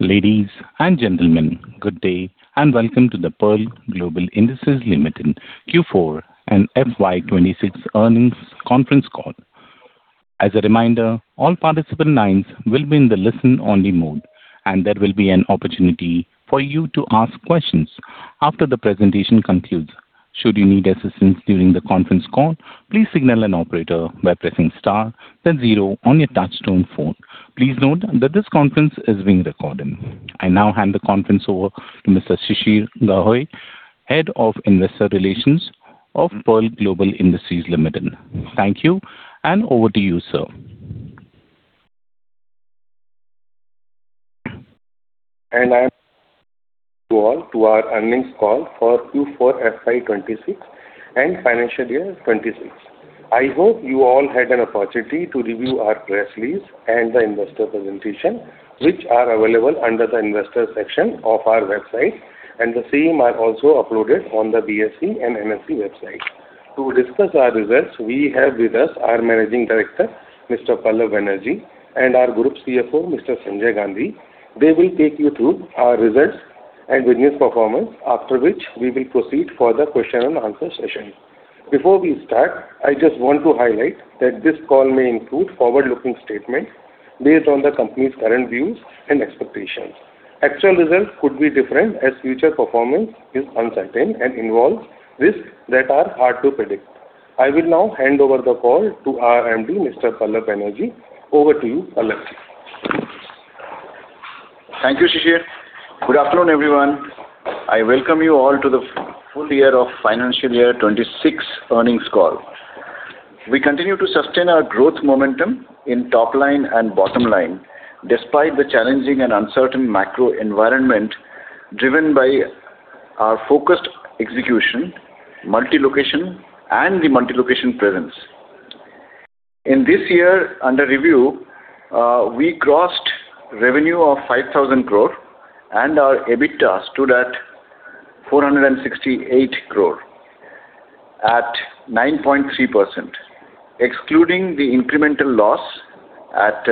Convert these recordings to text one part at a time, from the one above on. Ladies and gentlemen, good day, and welcome to the Pearl Global Industries Limited Q4 and FY 2026 earnings conference call. As a reminder, all participant lines will be in the listen-only mode, and there will be an opportunity for you to ask questions after the presentation concludes. Should you need assistance during the conference call, please signal an operator by pressing star then zero on your touch-tone phone. Please note that this conference is being recorded. I now hand the conference over to Mr. Shishir Gahoi, Head of Investor Relations of Pearl Global Industries Limited. Thank you, and over to you, sir. you all to our earnings call for Q4 FY 2026 and financial year 2026. I hope you all had an opportunity to review our press release and the investor presentation, which are available under the investor section of our website, and the same are also uploaded on the BSE and NSE website. To discuss our results, we have with us our Managing Director, Mr. Pallab Banerjee, and our Group CFO, Mr. Sanjay Gandhi. They will take you through our results and business performance, after which we will proceed for the question and answer session. Before we start, I just want to highlight that this call may include forward-looking statements based on the company's current views and expectations. Actual results could be different, as future performance is uncertain and involves risks that are hard to predict. I will now hand over the call to our MD, Mr. Pallab Banerjee. Over to you, Pallab. Thank you, Shishir. Good afternoon, everyone. I welcome you all to the full year of financial year 2026 earnings call. We continue to sustain our growth momentum in top-line and bottom-line, despite the challenging and uncertain macro environment driven by our focused execution, multi-location, and the multi-location presence. In this year under review, we crossed revenue of 5,000 crore and our EBITDA stood at 468 crore at 9.3%. Excluding the incremental loss at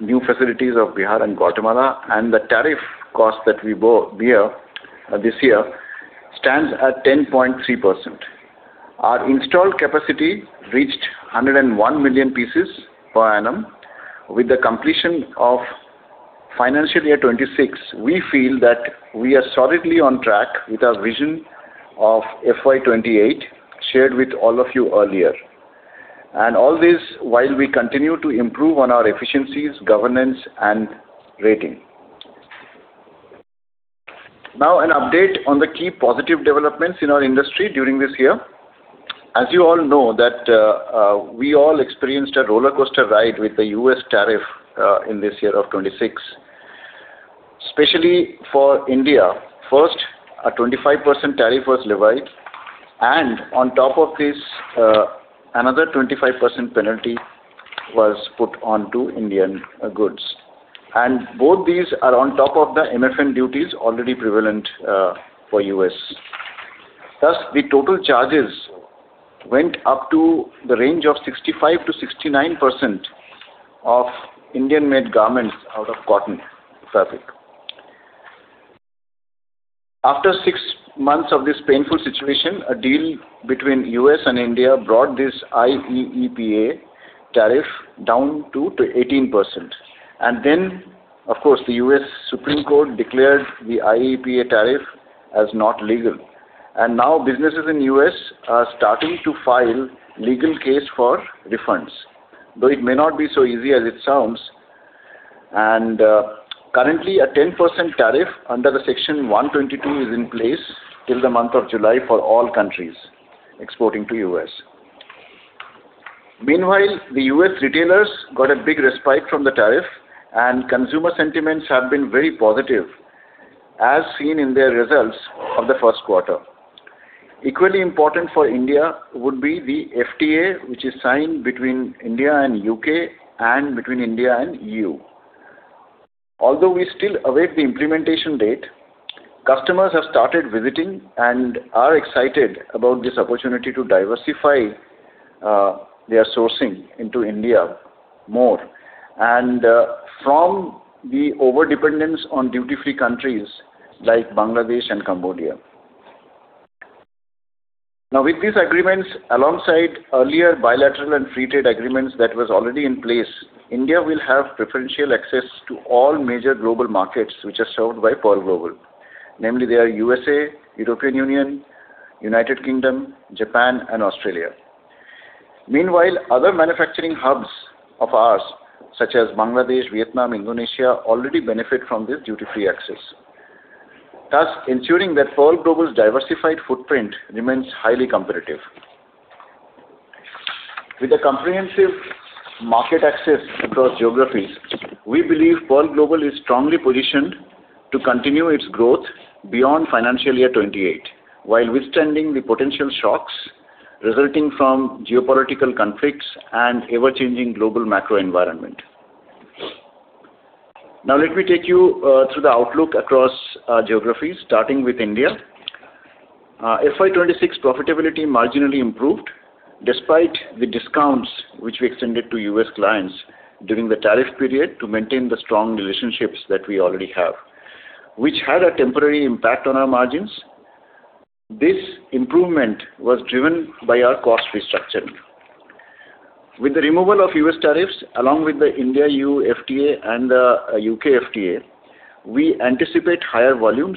new facilities of Bihar and Guatemala and the tariff cost that we bear, this year stands at 10.3%. Our installed capacity reached 101 million pieces per annum. With the completion of financial year 2026, we feel that we are solidly on track with our vision of FY 2028 shared with all of you earlier. All this while we continue to improve on our efficiencies, governance, and rating. An update on the key positive developments in our industry during this year. As you all know that we all experienced a roller coaster ride with the U.S. tariff in this year of 2026. Especially for India, first, a 25% tariff was levied and on top of this, another 25% penalty was put onto Indian goods. Both these are on top of the MFN duties already prevalent for U.S. The total charges went up to the range of 65%-69% of Indian-made garments out of cotton fabric. After six months of this painful situation, a deal between U.S. and India brought this IEEPA tariff down to 18%. Then, of course, the U.S. Supreme Court declared the IEEPA tariff as not legal. Now businesses in U.S. are starting to file legal case for refunds, though it may not be so easy as it sounds. Currently, a 10% tariff under the Section 122 is in place till the month of July for all countries exporting to U.S. Meanwhile, the U.S. retailers got a big respite from the tariff, and consumer sentiments have been very positive, as seen in their results of the first quarter. Equally important for India would be the FTA, which is signed between India and U.K. and between India and EU. Although we still await the implementation date, customers have started visiting and are excited about this opportunity to diversify their sourcing into India more and from the overdependence on duty-free countries like Bangladesh and Cambodia. With these agreements, alongside earlier bilateral and free trade agreements that was already in place, India will have preferential access to all major global markets which are served by Pearl Global. Namely, they are [U.S.A.], European Union, U.K., Japan, and Australia. Meanwhile, other manufacturing hubs of ours, such as Bangladesh, Vietnam, Indonesia, already benefit from this duty-free access, thus ensuring that Pearl Global's diversified footprint remains highly competitive. With a comprehensive market access across geographies, we believe Pearl Global is strongly positioned to continue its growth beyond financial year 2028 while withstanding the potential shocks resulting from geopolitical conflicts and ever-changing global macro environment. Let me take you through the outlook across geographies, starting with India. FY 2026 profitability marginally improved despite the discounts which we extended to U.S. clients during the tariff period to maintain the strong relationships that we already have, which had a temporary impact on our margins. This improvement was driven by our cost restructuring. With the removal of U.S. tariffs, along with the India-EU FTA and the U.K. FTA, we anticipate higher volumes,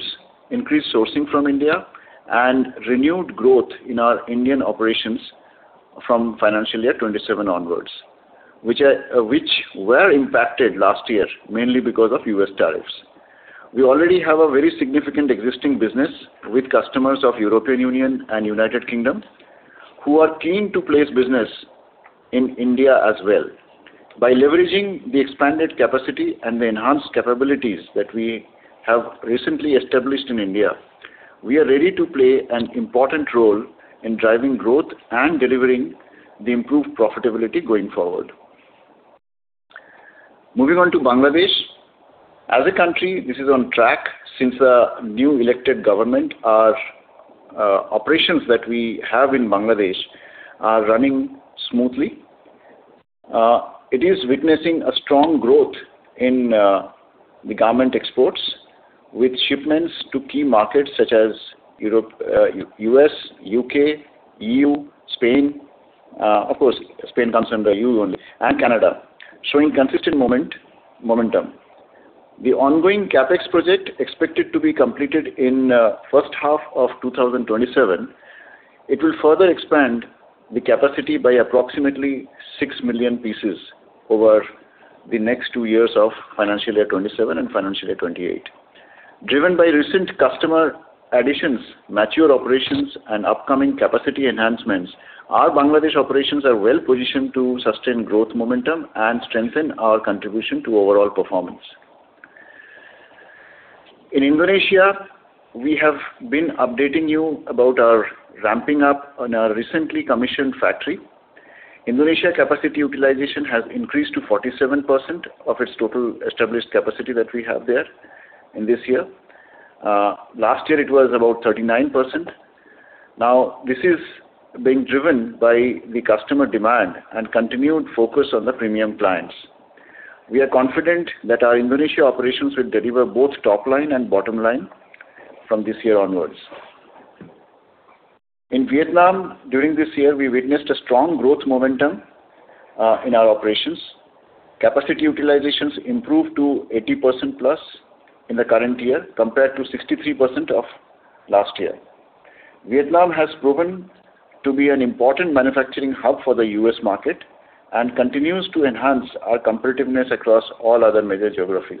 increased sourcing from India, and renewed growth in our Indian operations from financial year 2027 onwards, which were impacted last year mainly because of U.S. tariffs. We already have a very significant existing business with customers of European Union and United Kingdom who are keen to place business in India as well. By leveraging the expanded capacity and the enhanced capabilities that we have recently established in India, we are ready to play an important role in driving growth and delivering the improved profitability going forward. Moving on to Bangladesh. As a country, this is on track since the new elected government. Our operations that we have in Bangladesh are running smoothly. It is witnessing a strong growth in the garment exports with shipments to key markets such as Europe, U.S., U.K., EU, Spain, of course, Spain comes under EU only, and Canada, showing consistent momentum. The ongoing CapEx project expected to be completed in first half of 2027. It will further expand the capacity by approximately 6 million pieces over the next two years of financial year 2027 and financial year 2028. Driven by recent customer additions, mature operations, and upcoming capacity enhancements, our Bangladesh operations are well-positioned to sustain growth momentum and strengthen our contribution to overall performance. In Indonesia, we have been updating you about our ramping up on our recently commissioned factory. Indonesia capacity utilization has increased to 47% of its total established capacity that we have there in this year. Last year it was about 39%. This is being driven by the customer demand and continued focus on the premium clients. We are confident that our Indonesia operations will deliver both top-line and bottom-line from this year onwards. In Vietnam, during this year, we witnessed a strong growth momentum in our operations. Capacity utilizations improved to 80%+ in the current year compared to 63% of last year. Vietnam has proven to be an important manufacturing hub for the U.S. market and continues to enhance our competitiveness across all other major geographies.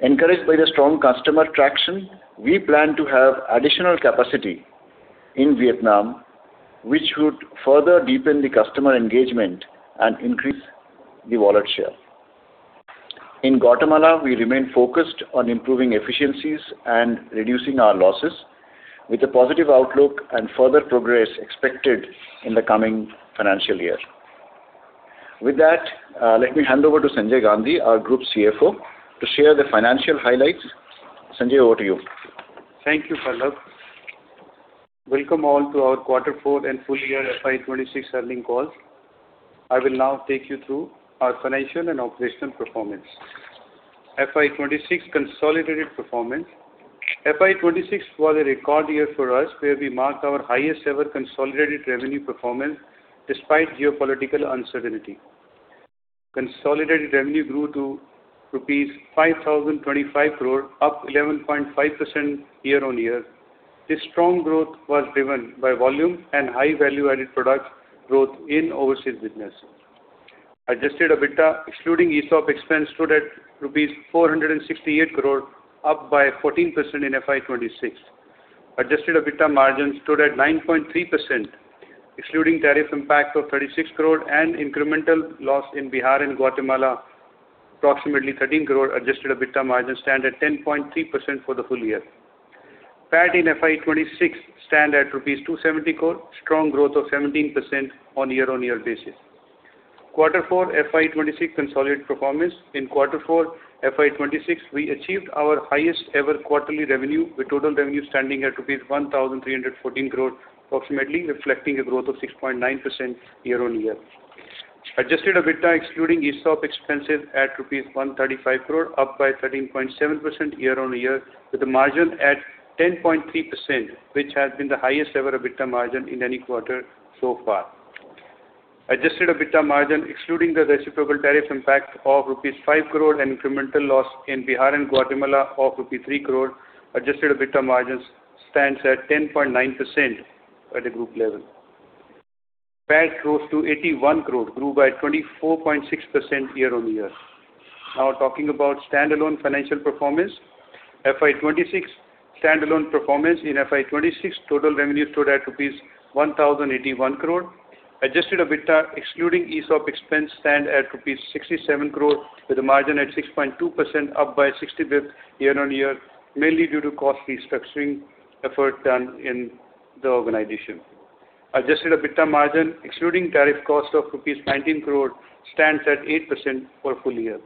Encouraged by the strong customer traction, we plan to have additional capacity in Vietnam, which would further deepen the customer engagement and increase the wallet share. In Guatemala, we remain focused on improving efficiencies and reducing our losses with a positive outlook and further progress expected in the coming financial year. With that, let me hand over to Sanjay Gandhi, our Group CFO, to share the financial highlights. Sanjay, over to you. Thank you, Pallab. Welcome all to our quarter four and full year FY 2026 earning call. I will now take you through our financial and operational performance. FY 2026 consolidated performance. FY 2026 was a record year for us, where we marked our highest ever consolidated revenue performance despite geopolitical [unstability]. Consolidated revenue grew to rupees 5,025 crore, up 11.5% year-on-year. This strong growth was driven by volume and high value-added product growth in overseas business. Adjusted EBITDA excluding ESOP expense stood at INR 468 crore, up by 14% in FY 2026. Adjusted EBITDA margin stood at 9.3%, excluding tariff impact of 36 crore and incremental loss in Bihar and Guatemala, approximately 13 crore. Adjusted EBITDA margin stand at 10.3% for the full year. PAT in FY 2026 stand at rupees 270 crore, strong growth of 17% on year-on-year basis. Quarter four FY 2026 consolidated performance. In quarter four FY 2026, we achieved our highest ever quarterly revenue, with total revenue standing at rupees 1,314 crore approximately, reflecting a growth of 6.9% year-on-year. Adjusted EBITDA excluding ESOP expenses at rupees 135 crore, up by 13.7% year-on-year, with the margin at 10.3%, which has been the highest ever EBITDA margin in any quarter so far. Adjusted EBITDA margin excluding the reciprocal tariff impact of rupees 5 crore and incremental loss in Bihar and Guatemala of rupees 3 crore, adjusted EBITDA margins stands at 10.9% at the group level. PAT rose to 81 crore, grew by 24.6% year-on-year. Talking about standalone financial performance. FY 2026 standalone performance. In FY 2026, total revenue stood at rupees 1,081 crore. Adjusted EBITDA excluding ESOP expense stand at rupees 67 crore, with a margin at 6.2%, up by 60 basis points year-on-year, mainly due to cost restructuring effort done in the organization. Adjusted EBITDA margin excluding tariff cost of rupees 19 crore stands at 8% for full year.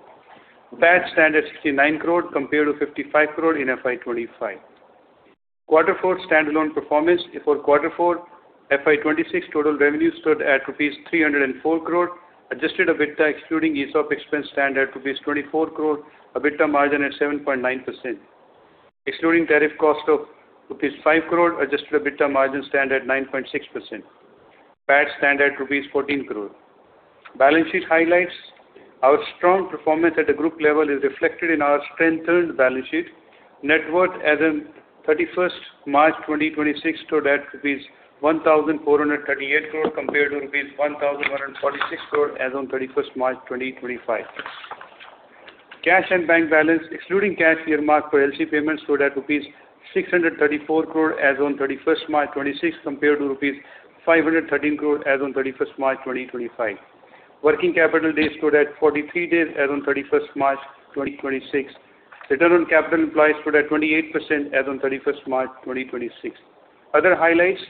PAT stand at 69 crore compared to 55 crore in FY 2025. Quarter four standalone performance. For quarter four FY 2026, total revenue stood at rupees 304 crore. Adjusted EBITDA excluding ESOP expense stand at rupees 24 crore. EBITDA margin at 7.9%. Excluding tariff cost of rupees 5 crore, adjusted EBITDA margin stand at 9.6%. PAT stand at rupees 14 crore. Balance sheet highlights. Our strong performance at the group level is reflected in our strengthened balance sheet. Net worth as on 31st March 2026 stood at rupees 1,438 crore compared to rupees 1,146 crore as on 31st March 2025. Cash and bank balance excluding cash earmarked for LC payments stood at rupees 634 crore as on 31st March 2026 compared to rupees 513 crore as on 31st March 2025. Working capital days stood at 43 days as on 31st March 2026. Return on capital employed stood at 28% as on 31st March 2026. Other highlights.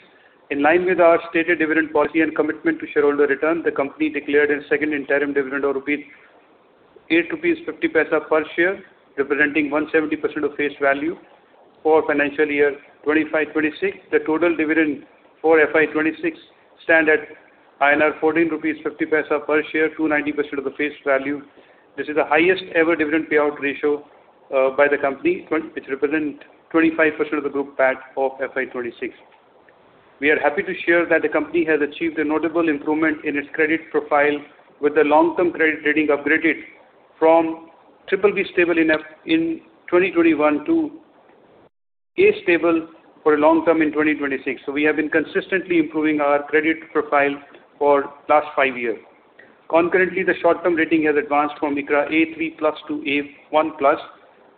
In line with our stated dividend policy and commitment to shareholder return, the company declared its second interim dividend of 8.50 per share, representing 170% of face value for FY 2025-2026. The total dividend for FY 2026 stand at INR 14.50 per share, 290% of the face value. This is the highest ever dividend payout ratio by the company. It represent 25% of the group PAT of FY 2026. We are happy to share that the company has achieved a notable improvement in its credit profile with the long-term credit rating upgraded from BBB stable enough in 2021 to A stable for long term in 2026. We have been consistently improving our credit profile for last five years. Concurrently, the short-term rating has advanced from ICRA A3+ to A1+,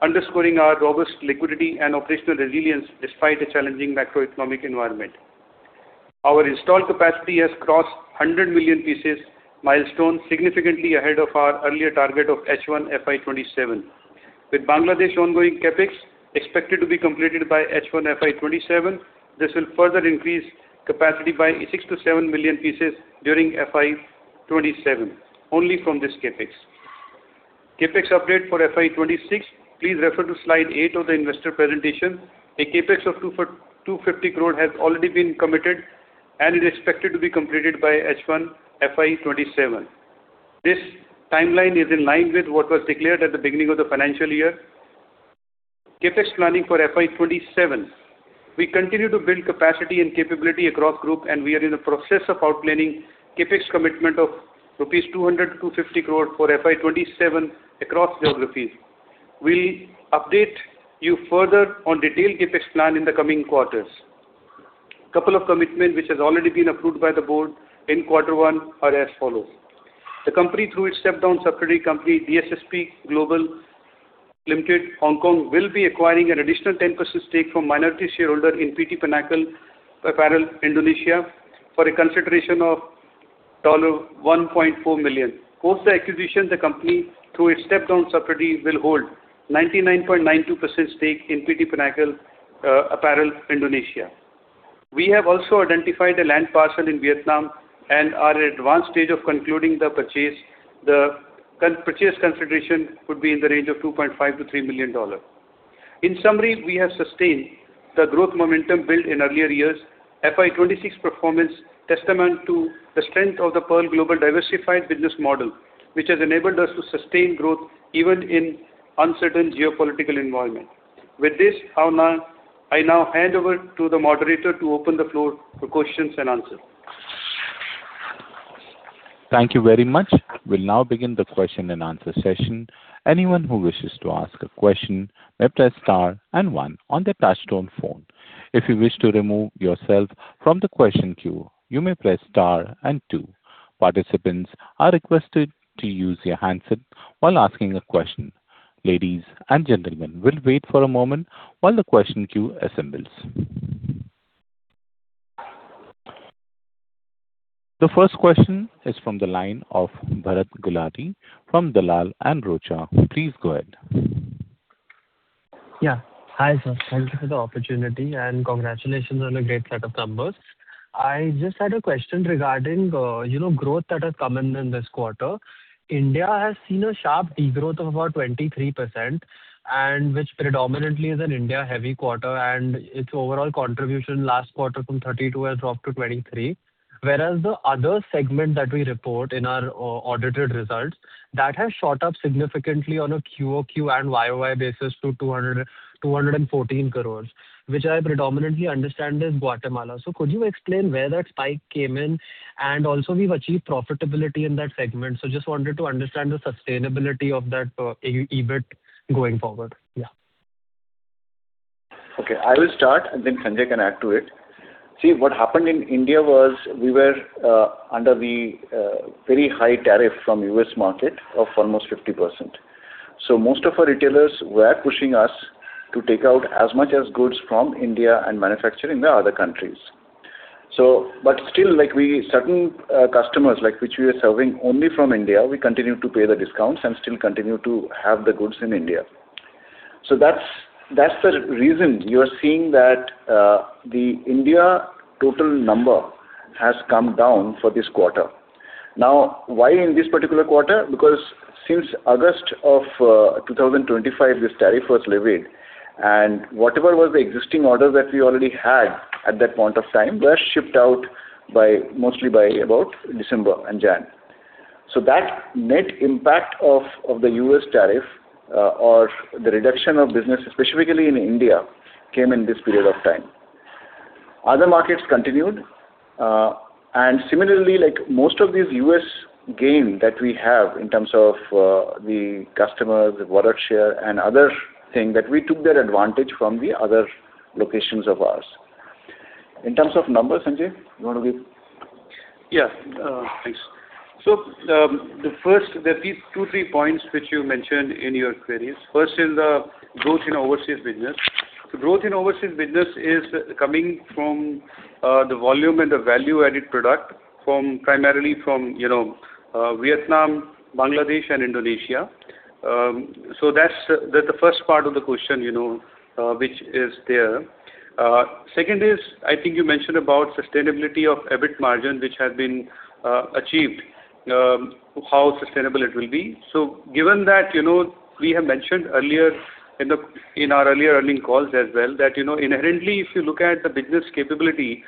underscoring our robust liquidity and operational resilience despite a challenging macroeconomic environment. Our installed capacity has crossed 100 million pieces milestone significantly ahead of our earlier target of H1 FY 2027. With Bangladesh ongoing CapEx expected to be completed by H1 FY 2027, this will further increase capacity by 6 million-7 million pieces during FY 2027 only from this CapEx. CapEx update for FY 2026, please refer to slide eight of the investor presentation. A CapEx of 250 crore has already been committed and is expected to be completed by H1 FY 2027. This timeline is in line with what was declared at the beginning of the financial year. CapEx planning for FY 2027. We continue to build capacity and capability across group, and we are in the process of outlining CapEx commitment of 200-250 crore rupees for FY 2027 across geographies. We'll update you further on detailed CapEx plan in the coming quarters. Couple of commitment which has already been approved by the board in quarter one are as follows. The company, through its step-down subsidiary company, DSSP Global Limited, Hong Kong, will be acquiring an additional 10% stake from minority shareholder in PT Pinnacle Apparels Indonesia for a consideration of $1.4 million. Post the acquisition, the company, through its step-down subsidiary, will hold 99.92% stake in PT Pinnacle Apparels Indonesia. We have also identified a land parcel in Vietnam and are at advanced stage of concluding the purchase. The purchase consideration would be in the range of $2.5 million-$3 million. In summary, we have sustained the growth momentum built in earlier years. FY 2026 performance testament to the strength of the Pearl Global diversified business model, which has enabled us to sustain growth even in uncertain geopolitical environment. With this, I now hand over to the moderator to open the floor for questions and answer. Thank you very much. We'll now begin the question and answer session. Anyone who wishes to ask a question may press star and one on their touch-tone phone. If you wish to remove yourself from the question queue, you may press star and two. Participants are requested to use their handset while asking a question. Ladies and gentlemen, we'll wait for a moment while the question queue assembles. The first question is from the line of Bharat Gulati from Dalal & Broacha. Please go ahead. Hi, sir. Thank you for the opportunity, congratulations on a great set of numbers. I just had a question regarding, you know, growth that has come in in this quarter. India has seen a sharp degrowth of about 23%, and which predominantly is an India-heavy quarter, and its overall contribution last quarter from [32%] has dropped to [23%]. Whereas the other segment that we report in our audited results, that has shot up significantly on a QoQ and YoY basis to 214 crore, which I predominantly understand is Guatemala. Could you explain where that spike came in? Also, we've achieved profitability in that segment, so just wanted to understand the sustainability of that EBIT going forward. Okay, I will start. Then Sanjay can add to it. See, what happened in India was we were under the very high tariff from U.S. market of almost 50%. Most of our retailers were pushing us to take out as much as goods from India and manufacture in the other countries. Still, like, certain customers, like, which we are serving only from India, we continue to pay the discounts and still continue to have the goods in India. That's the reason you are seeing that the India total number has come down for this quarter. Why in this particular quarter? Because since August of 2025, this tariff was levied, and whatever was the existing order that we already had at that point of time were shipped out mostly by about December and Jan. That net impact of the U.S. tariff, or the reduction of business, specifically in India, came in this period of time. Other markets continued. Similarly, like most of these U.S. gain that we have in terms of the customers, the product share and other thing, that we took that advantage from the other locations of ours. In terms of numbers, Sanjay, you wanna give? Thanks. There are these [two], [three] points which you mentioned in your queries. First is the growth in overseas business. Growth in overseas business is coming from the volume and the value-added product primarily from, you know, Vietnam, Bangladesh and Indonesia. That's the first part of the question, you know, which is there. Second is, I think you mentioned about sustainability of EBIT margin, which has been achieved, how sustainable it will be. Given that, you know, we have mentioned earlier in our earlier earnings calls as well, that, you know, inherently, if you look at the business capability,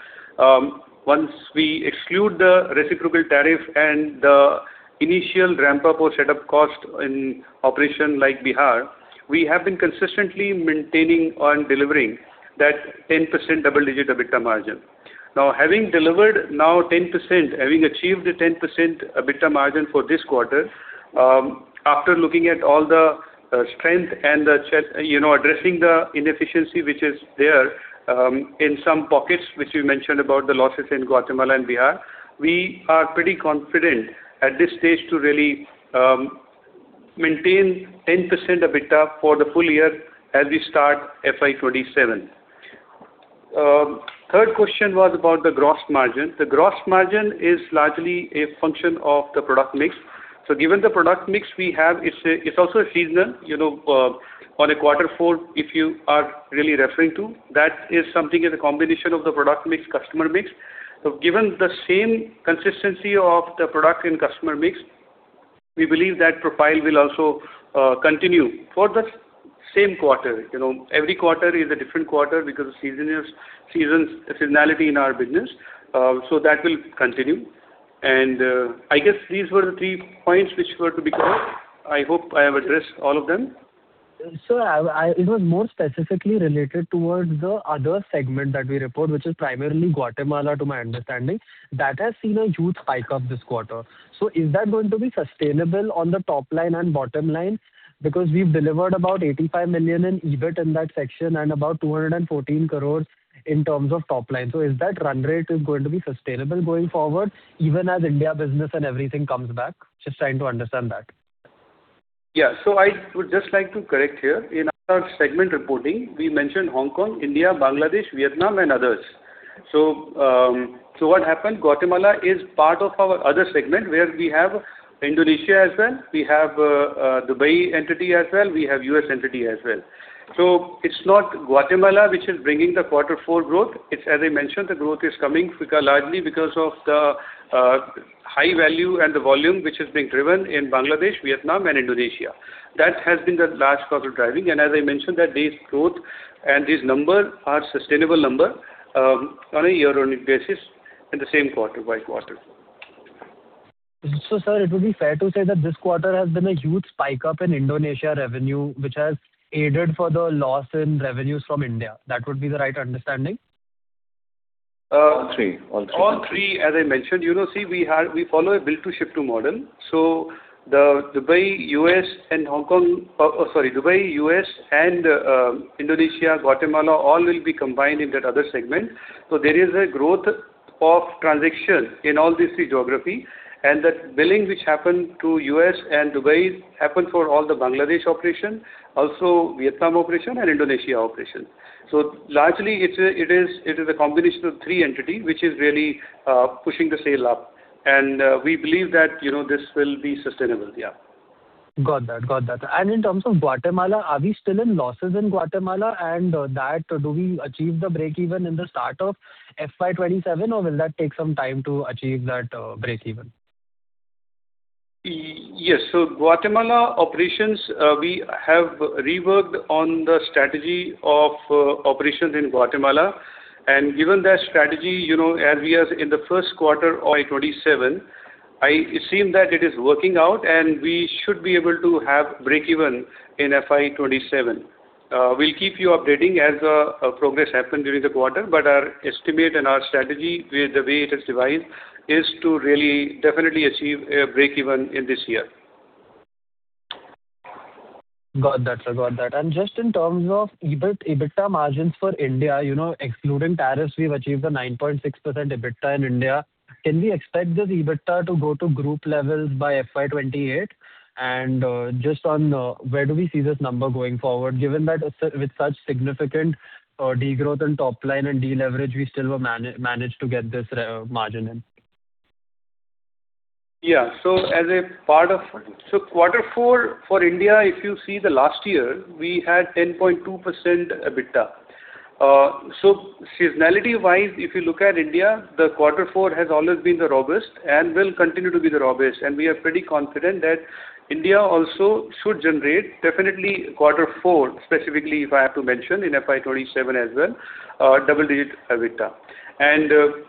once we exclude the reciprocal tariff and the initial ramp-up or set up cost in operation like Bihar, we have been consistently maintaining on delivering that 10% double-digit EBITDA margin. Having delivered now 10%, having achieved a 10% EBITDA margin for this quarter, after looking at all the strength and you know, addressing the inefficiency which is there, in some pockets, which you mentioned about the losses in Guatemala and Bihar, we are pretty confident at this stage to really maintain 10% EBITDA for the full year as we start FY 2027. Third question was about the gross margin. The gross margin is largely a function of the product mix. Given the product mix we have, it's also a seasonal, you know, on a quarter four, if you are really referring to, that is something is a combination of the product mix, customer mix. Given the same consistency of the product and customer mix, we believe that profile will also continue for the same quarter. You know, every quarter is a different quarter because of seasonality in our business. That will continue. I guess these were the [three] points which were to be covered. I hope I have addressed all of them. Sir, it was more specifically related towards the other segment that we report, which is primarily Guatemala, to my understanding. That has seen a huge spike up this quarter. Is that going to be sustainable on the top-line and bottom-line? Because we've delivered about 85 million in EBIT in that section and about 214 crore in terms of top-line. Is that run rate is going to be sustainable going forward, even as India business and everything comes back? Just trying to understand that. Yeah. I would just like to correct here. In our segment reporting, we mentioned Hong Kong, India, Bangladesh, Vietnam and others. [So what happened], Guatemala is part of our other segment where we have Indonesia as well, we have Dubai entity as well, we have U.S. entity as well. It's not Guatemala which is bringing the Q4 growth. It's, as I mentioned, the growth is coming largely because of the high value and the volume which is being driven in Bangladesh, Vietnam and Indonesia. That has been the large part of driving. As I mentioned that this gro`wth and this number are sustainable number on a year-over-year basis in the same quarter-by-quarter. Sir, it would be fair to say that this quarter has been a huge spike up in Indonesia revenue, which has aided for the loss in revenues from India. That would be the right understanding? All three. All three. All three, as I mentioned. You know, see, we follow a [bill-to-ship-to] model. The Dubai, U.S. and Hong Kong, sorry, Dubai, U.S. and Indonesia, Guatemala all will be combined in that other segment. There is a growth of transaction in all these three geography, and that billing which happened to U.S. and Dubai happened for all the Bangladesh operation, also Vietnam operation and Indonesia operation. Largely, it is a combination of three entity which is really pushing the sale up. We believe that, you know, this will be sustainable. Yeah. Got that. Got that. In terms of Guatemala, are we still in losses in Guatemala? Do we achieve the break even in the start of FY 2027, or will that take some time to achieve that break even? Yes. Guatemala operations, we have reworked on the strategy of operations in Guatemala. Given that strategy, as we are in the first quarter of FY 2027, it seem that it is working out and we should be able to have break even in FY 2027. We'll keep you updating as progress happen during the quarter, but our estimate and our strategy, the way it is devised, is to really definitely achieve a break even in this year. Got that, sir. Got that. Just in terms of EBIT, EBITDA margins for India, you know, excluding tariffs, we've achieved a 9.6% EBITDA in India. Can we expect this EBITDA to go to group levels by FY 2028? Just on where do we see this number going forward? Given that with such significant degrowth in top-line and deleverage, we still managed to get this margin in. Yeah. As a part of quarter four for India, if you see the last year, we had 10.2% EBITDA. Seasonality-wise, if you look at India, the quarter four has always been the robust and will continue to be the robust. We are pretty confident that India also should generate definitely quarter four, specifically if I have to mention in FY 2027 as well, double-digit EBITDA.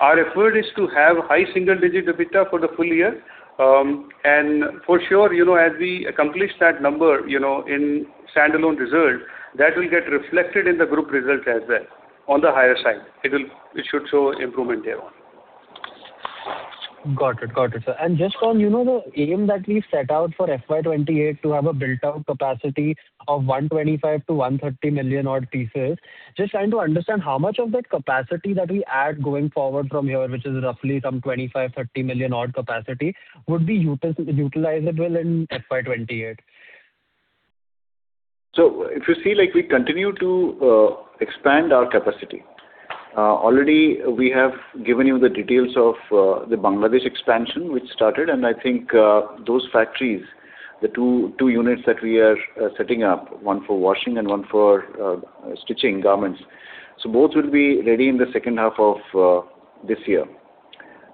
Our effort is to have high single-digit EBITDA for the full year. For sure, you know, as we accomplish that number, you know, in standalone result, that will get reflected in the group result as well on the higher side. It should show improvement there on. Got it. Got it, sir. Just on, you know, the aim that we've set out for FY 2028 to have a built out capacity of 125 million-130 million odd pieces. Just trying to understand how much of that capacity that we add going forward from here, which is roughly some 25 million, 30 million odd capacity would be utilizable in FY 2028? If you see, we continue to expand our capacity. Already we have given you the details of the Bangladesh expansion which started, and I think, those factories, the two units that we are setting up, one for washing and one for stitching garments. Both will be ready in the second half of this year.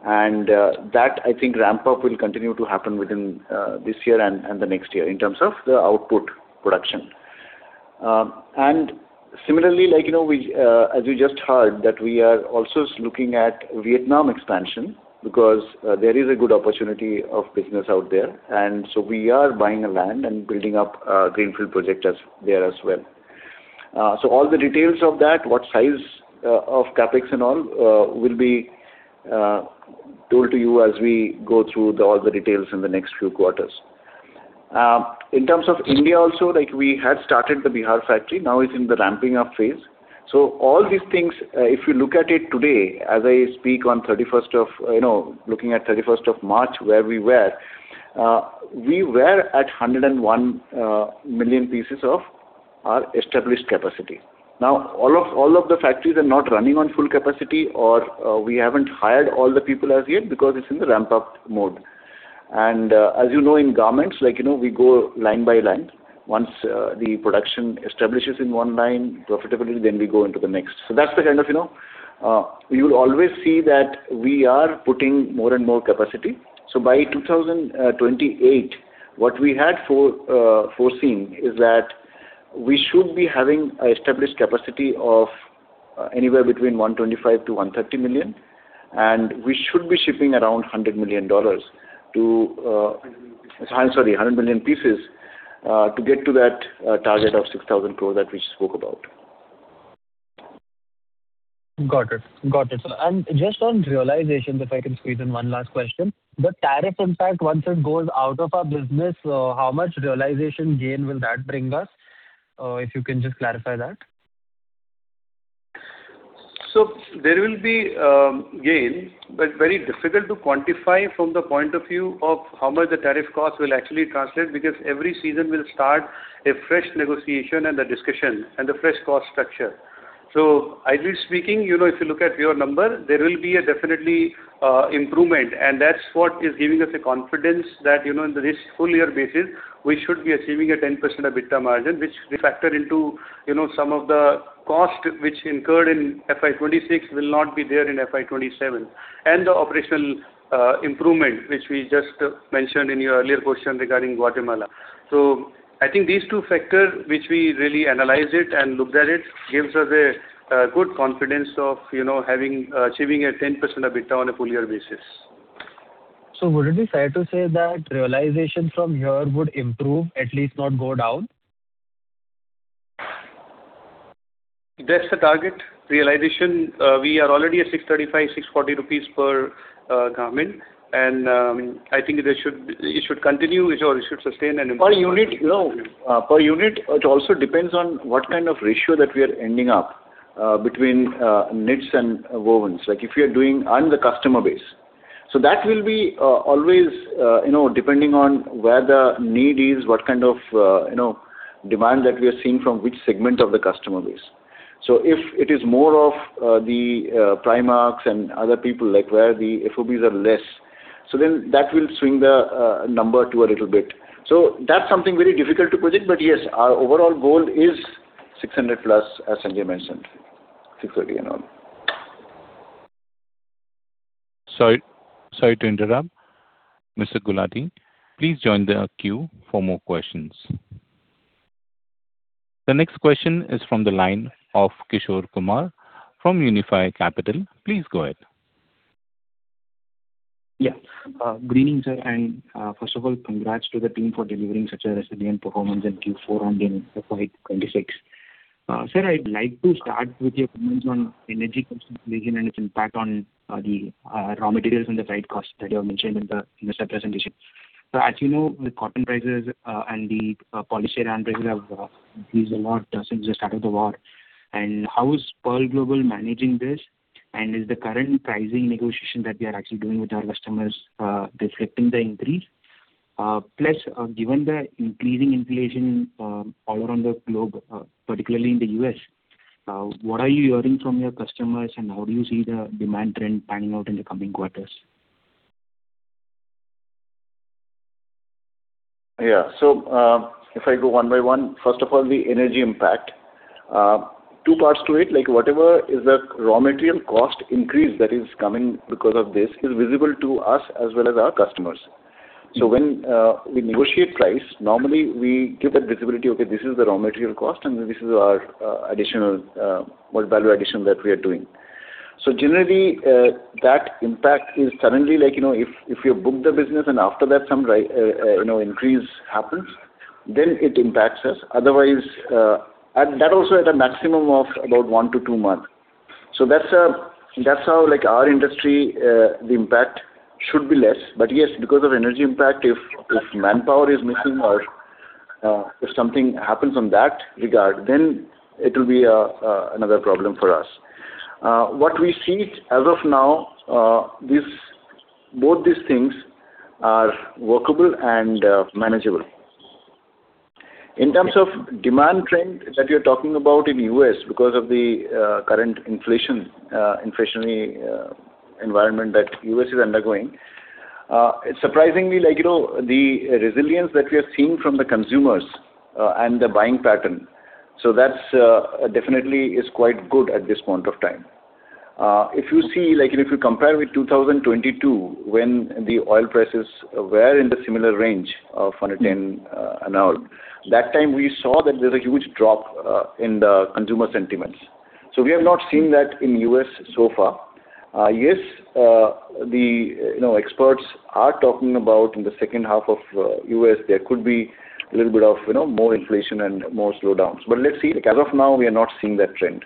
That I think ramp up will continue to happen within this year and the next year in terms of the output production. Similarly, you know, we, as you just heard, that we are also looking at Vietnam expansion because there is a good opportunity of business out there. We are buying a land and building up a greenfield project there as well. All the details of that, what size of CapEx and all, will be told to you as we go through all the details in the next few quarters. In terms of India also, like we had started the Bihar factory, now it's in the ramping up phase. All these things, if you look at it today as I speak on 31st of, you know, looking at 31st of March, where we were. We were at 101 million pieces of our established capacity. Now, all of the factories are not running on full capacity or, we haven't hired all the people as yet because it's in the ramp up mode. As you know, in garments, like, you know, we go line by line. Once the production establishes in one line profitability, then we go into the next. That's the kind of, you know, you'll always see that we are putting more and more capacity. By 2028, what we had foreseeing is that we should be having a established capacity of anywhere between 125 million-130 million, and we should be shipping around $100 million. Sorry, 100 million pieces to get to that target of 6,000 crore that we spoke about. Got it. Just on realization, if I can squeeze in one last question. The tariff impact, once it goes out of our business, how much realization gain will that bring us? If you can just clarify that. There will be gain, but very difficult to quantify from the point of view of how much the tariff cost will actually translate, because every season will start a fresh negotiation and a discussion and a fresh cost structure. Ideally speaking, you know, if you look at your number, there will be a definitely improvement. That's what is giving us a confidence that, you know, in this full year basis, we should be achieving a 10% EBITDA margin, which we factor into, you know, some of the cost which incurred in FY 2026 will not be there in FY 2027, and the operational improvement, which we just mentioned in your earlier question regarding Guatemala. I think these two factors, which we really analyze it and looked at it, gives us a good confidence of, you know, achieving a 10% EBITDA on a full year basis. Would it be fair to say that realization from here would improve, at least not go down? That's the target realization. We are already at 635, 640 rupees per garment. I think it should continue or it should sustain and improve. Per unit, you know, per unit, it also depends on what kind of ratio that we are ending up between knits and wovens and the customer base. That will be always, you know, depending on where the need is, what kind of, you know, demand that we are seeing from which segment of the customer base. If it is more of the Primark and other people like where the FOBs are less, so then that will swing the number to a little bit. That's something very difficult to predict. Yes, our overall goal is 600+, as Sanjay mentioned, 630 and all. Sorry to interrupt. Mr. Gulati, please join the queue for more questions. The next question is from the line of [Kishore] Kumar from Unifi Capital. Please go ahead. Yeah. Good evening, sir. First of all, congrats to the team for delivering such a resilient performance in Q4 and in FY 2026. Sir, I'd like to start with your comments on energy consumption region and its impact on the raw materials and the freight costs that you have mentioned in the set presentation. As you know, the cotton prices and the polyester yarn prices have increased a lot since the start of the war. How is Pearl Global managing this? Is the current pricing negotiation that we are actually doing with our customers reflecting the increase? Plus, given the increasing inflation all around the globe, particularly in the U.S., what are you hearing from your customers and how do you see the demand trend panning out in the coming quarters? If I go one by one, first of all, the energy impact. Two parts to it. Whatever is the raw material cost increase that is coming because of this is visible to us as well as our customers. When we negotiate price, normally we give that visibility, okay, this is the raw material cost and this is our additional what value addition that we are doing. Generally, that impact is suddenly like, you know, if you book the business and after that some, you know, increase happens, then it impacts us. Otherwise, that also at a maximum of about one to two month. That's, that's how, like, our industry, the impact should be less. Yes, because of energy impact, if manpower is missing or if something happens on that regard, then it will be another problem for us. What we see as of now, this, both these things are workable and manageable. Okay. In terms of demand trend that you're talking about in U.S. because of the current inflation, inflationary environment that U.S. is undergoing, surprisingly, like, you know, the resilience that we are seeing from the consumers and the buying pattern, that's definitely is quite good at this point of time. If you see, like if you compare with 2022 when the oil prices were in the similar range of 110 a [barrel], that time we saw that there's a huge drop in the consumer sentiments. We have not seen that in U.S. so far. Yes, the, you know, experts are talking about in the second half of U.S. there could be a little bit of, you know, more inflation and more slowdowns. Let's see. Like as of now, we are not seeing that trend.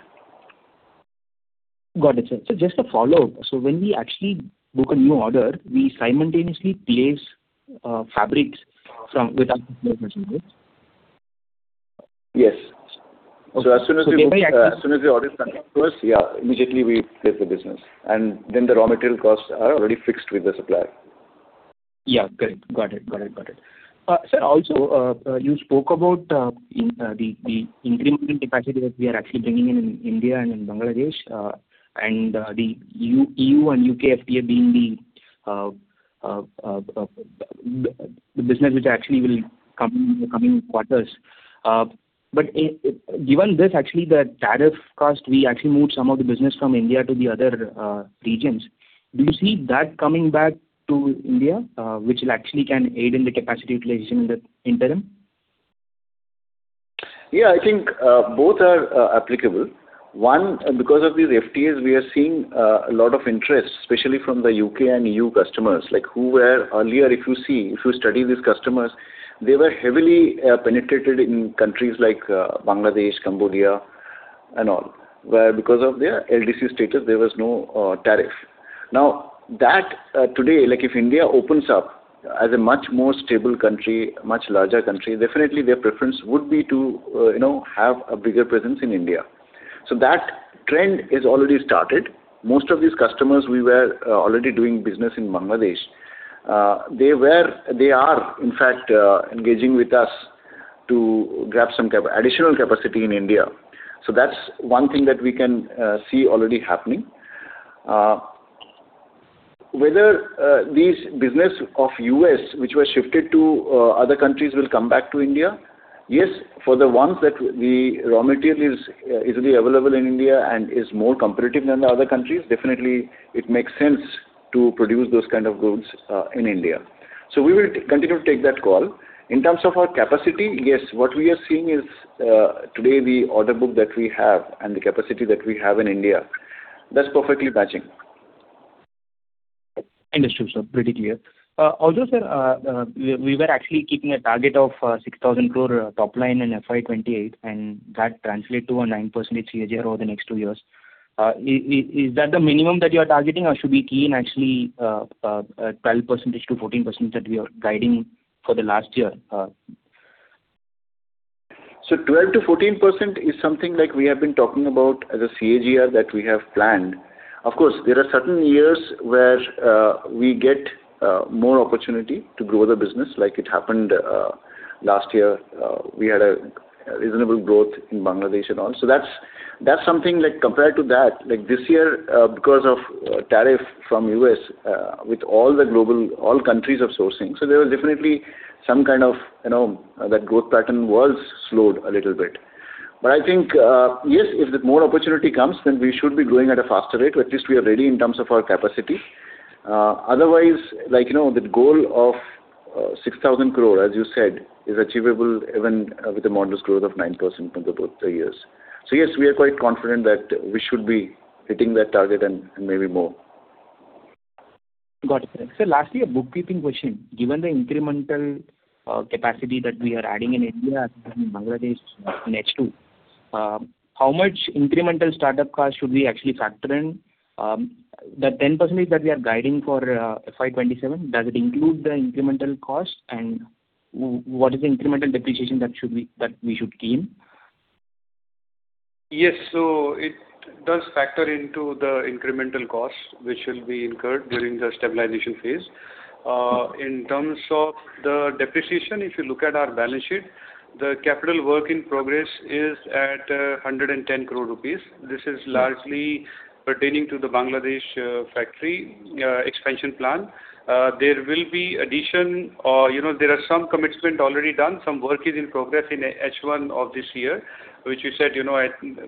Got it, sir. Just a follow-up. When we actually book a new order, we simultaneously place, fabrics from. Yes. Okay. So as soon as the- As soon as the order comes to us, yeah, immediately we place the business, and then the raw material costs are already fixed with the supplier. Yeah. Great. Got it. Sir, also, you spoke about in the incremental capacity that we are actually bringing in in India and in Bangladesh, and the [EU] and U.K. FTA being the business which actually will come in the coming quarters. Given this actually the tariff cost, we actually moved some of the business from India to the other, regions. Do you see that coming back to India, which will actually can aid in the capacity utilization in the interim? Yeah, I think, both are applicable. One, because of these FTAs we are seeing, a lot of interest, especially from the U.K. and EU customers, like who were earlier, if you see, if you study these customers, they were heavily penetrated in countries like Bangladesh, Cambodia and all, where because of their LDC status there was no tariff. Now that today, like if India opens up as a much more stable country, much larger country, definitely their preference would be to, you know, have a bigger presence in India. That trend is already started. Most of these customers we were already doing business in Bangladesh. They are in fact, engaging with us to grab some additional capacity in India. That's one thing that we can see already happening. Whether these business of U.S. which were shifted to other countries will come back to India? Yes, for the ones that the raw material is easily available in India and is more competitive than the other countries, definitely it makes sense to produce those kind of goods in India. We will continue to take that call. In terms of our capacity, yes, what we are seeing is today the order book that we have and the capacity that we have in India, that's perfectly matching. Understood, sir. Pretty clear. Also, sir, we were actually keeping a target of 6,000 crore top-line in FY 2028, and that translate to a [9% CAGR] over the next two years. Is that the minimum that you are targeting or should we key in actually, [12%-14%] that we are guiding for the last year? 12%-14% is something like we have been talking about as a CAGR that we have planned. Of course, there are certain years where we get more opportunity to grow the business, like it happened last year. We had a reasonable growth in Bangladesh and all. That's something like compared to that, like this year, because of tariff from U.S., with all the global, all countries of sourcing. There was definitely some kind of, you know, that growth pattern was slowed a little bit. I think, yes, if the more opportunity comes, then we should be growing at a faster rate. At least we are ready in terms of our capacity. Otherwise, like, you know, the goal of 6,000 crore, as you said, is achievable even with a modest growth of 9% for the both three years. Yes, we are quite confident that we should be hitting that target and maybe more. Got it. Lastly, a bookkeeping question. Given the incremental capacity that we are adding in India and in Bangladesh in H2, how much incremental startup cost should we actually factor in? The 10% that we are guiding for FY 2027, does it include the incremental cost? What is the incremental depreciation that we should key in? Yes. It does factor into the incremental costs which will be incurred during the stabilization phase. In terms of the depreciation, if you look at our balance sheet, the capital work in progress is at 110 crore rupees. This is largely pertaining to the Bangladesh factory expansion plan. There will be addition or, you know, there are some commitment already done. Some work is in progress in H1 of this year, which we said, you know,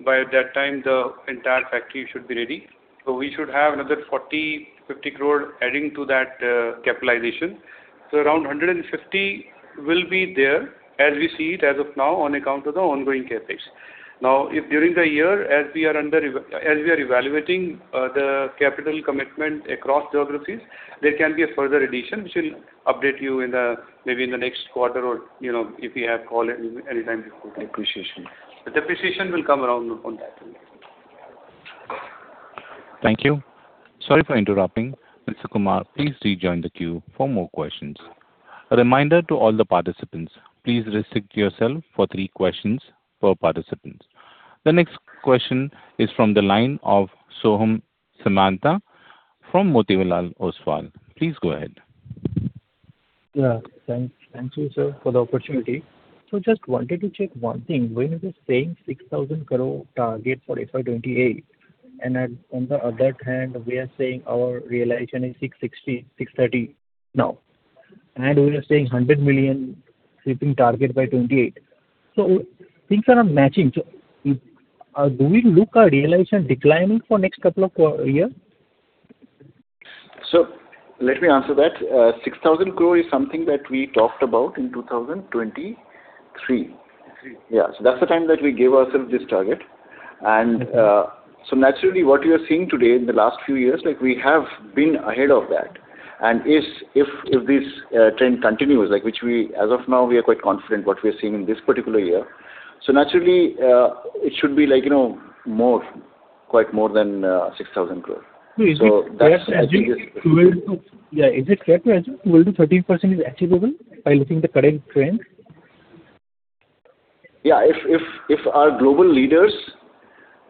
by that time the entire factory should be ready. We should have another 40-50 crore adding to that capitalization. Around 150 will be there as we see it as of now on account of the ongoing CapEx. Now, if during the year, as we are evaluating the capital commitment across geographies, there can be a further addition, which we'll update you in the, maybe in the next quarter or, you know, if we have call any, anytime before. Depreciation. Depreciation will come around on that only. Thank you. Sorry for interrupting. Mr. Kumar, please rejoin the queue for more questions. A reminder to all the participants, please restrict yourself for three questions per participant. The next question is from the line of Soham Samanta from Motilal Oswal. Please go ahead. Thank you, sir, for the opportunity. Just wanted to check one thing. When you were saying 6,000 crore target for FY 2028, and on the other hand, we are saying our realization is 660, 630 now, and we are saying 100 million shipping target by 2028. Things are not matching. Do we look our realization declining for next couple of year? Let me answer that. 6,000 crore is something that we talked about in 2023. Three. Yeah. That's the time that we gave ourselves this target. Naturally what you are seeing today in the last few years, like we have been ahead of that. If this trend continues, like which we as of now we are quite confident what we are seeing in this particular year. Naturally, it should be like, you know, quite more than INR 6,000 crore. No, is it fair to assume [12%-13%] is achievable by looking the current trends? Yeah. If our global leaders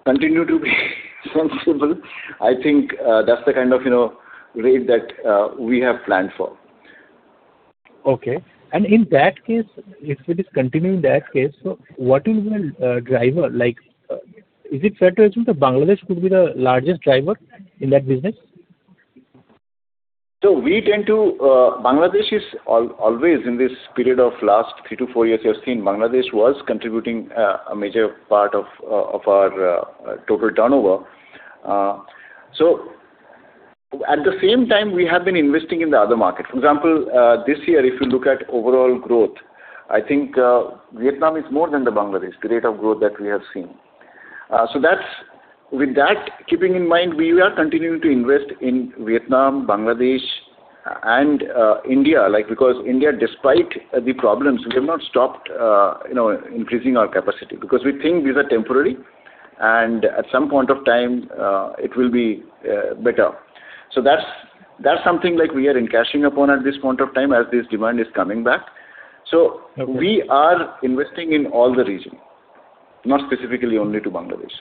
continue to be sensible, I think, that's the kind of, you know, rate that we have planned for. Okay. In that case, if it is continuing that case, what is the driver like? Is it fair to assume that Bangladesh could be the largest driver in that business? We tend to always in this period of last three to four years you have seen Bangladesh was contributing a major part of our total turnover. At the same time, we have been investing in the other market. For example, this year, if you look at overall growth, I think, Vietnam is more than the Bangladesh, the rate of growth that we have seen. That's with that, keeping in mind, we are continuing to invest in Vietnam, Bangladesh and India, like because India, despite the problems, we have not stopped, you know, increasing our capacity because we think these are temporary and at some point of time, it will be better. That's something like we are encashing upon at this point of time as this demand is coming back. Okay. We are investing in all the region, not specifically only to Bangladesh.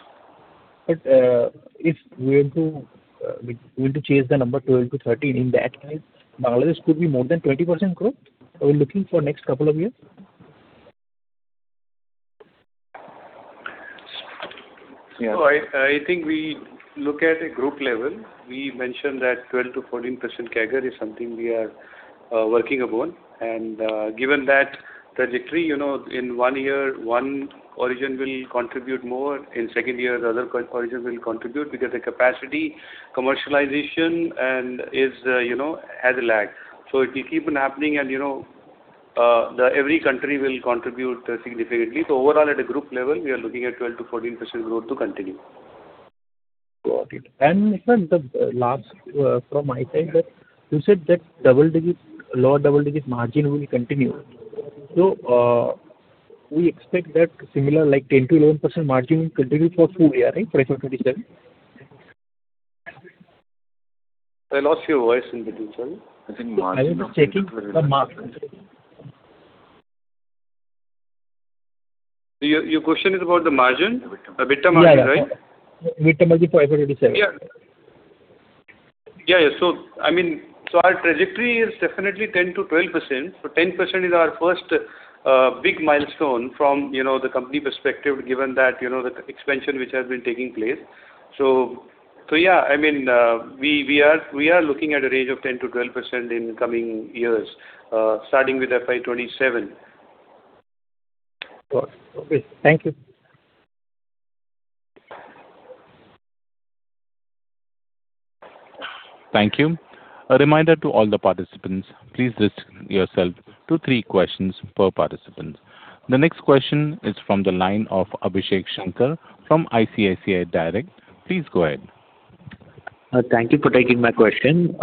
If we are to, we want to chase the number [12%-13%] in that case, Bangladesh could be more than 20% growth are we looking for next couple of years? So- Yeah. I think we look at a group level. We mentioned that 12%-14% CAGR is something we are working upon. Given that trajectory, you know, in one year, one origin will contribute more. In second year, the other origin will contribute because the capacity commercialization and is, you know, has a lag. It will keep on happening and, you know, the every country will contribute significantly. Overall at a group level, we are looking at 12%-14% growth to continue. Got it. Sir, the last from my side that you said that double-digit, lower double-digit margin will continue. We expect that similar like 10%-11% margin will continue for two year, right, for FY 2027? I lost your voice in between, sorry. I was checking the margin. Your question is about the margin? EBITDA margin, right? Yeah, yeah. EBITDA margin for FY 2027. Yeah. I mean, our trajectory is definitely 10%-12%. 10% is our first big milestone from, you know, the company perspective, given that, you know, the expansion which has been taking place. Yeah, I mean, we are looking at a range of 10%-12% in the coming years, starting with FY 2027. Got it. Okay. Thank you. Thank you. A reminder to all the participants, please restrict yourself to three questions per participant. The next question is from the line of Abhishek Shankar from ICICI Direct. Please go ahead. Thank you for taking my question.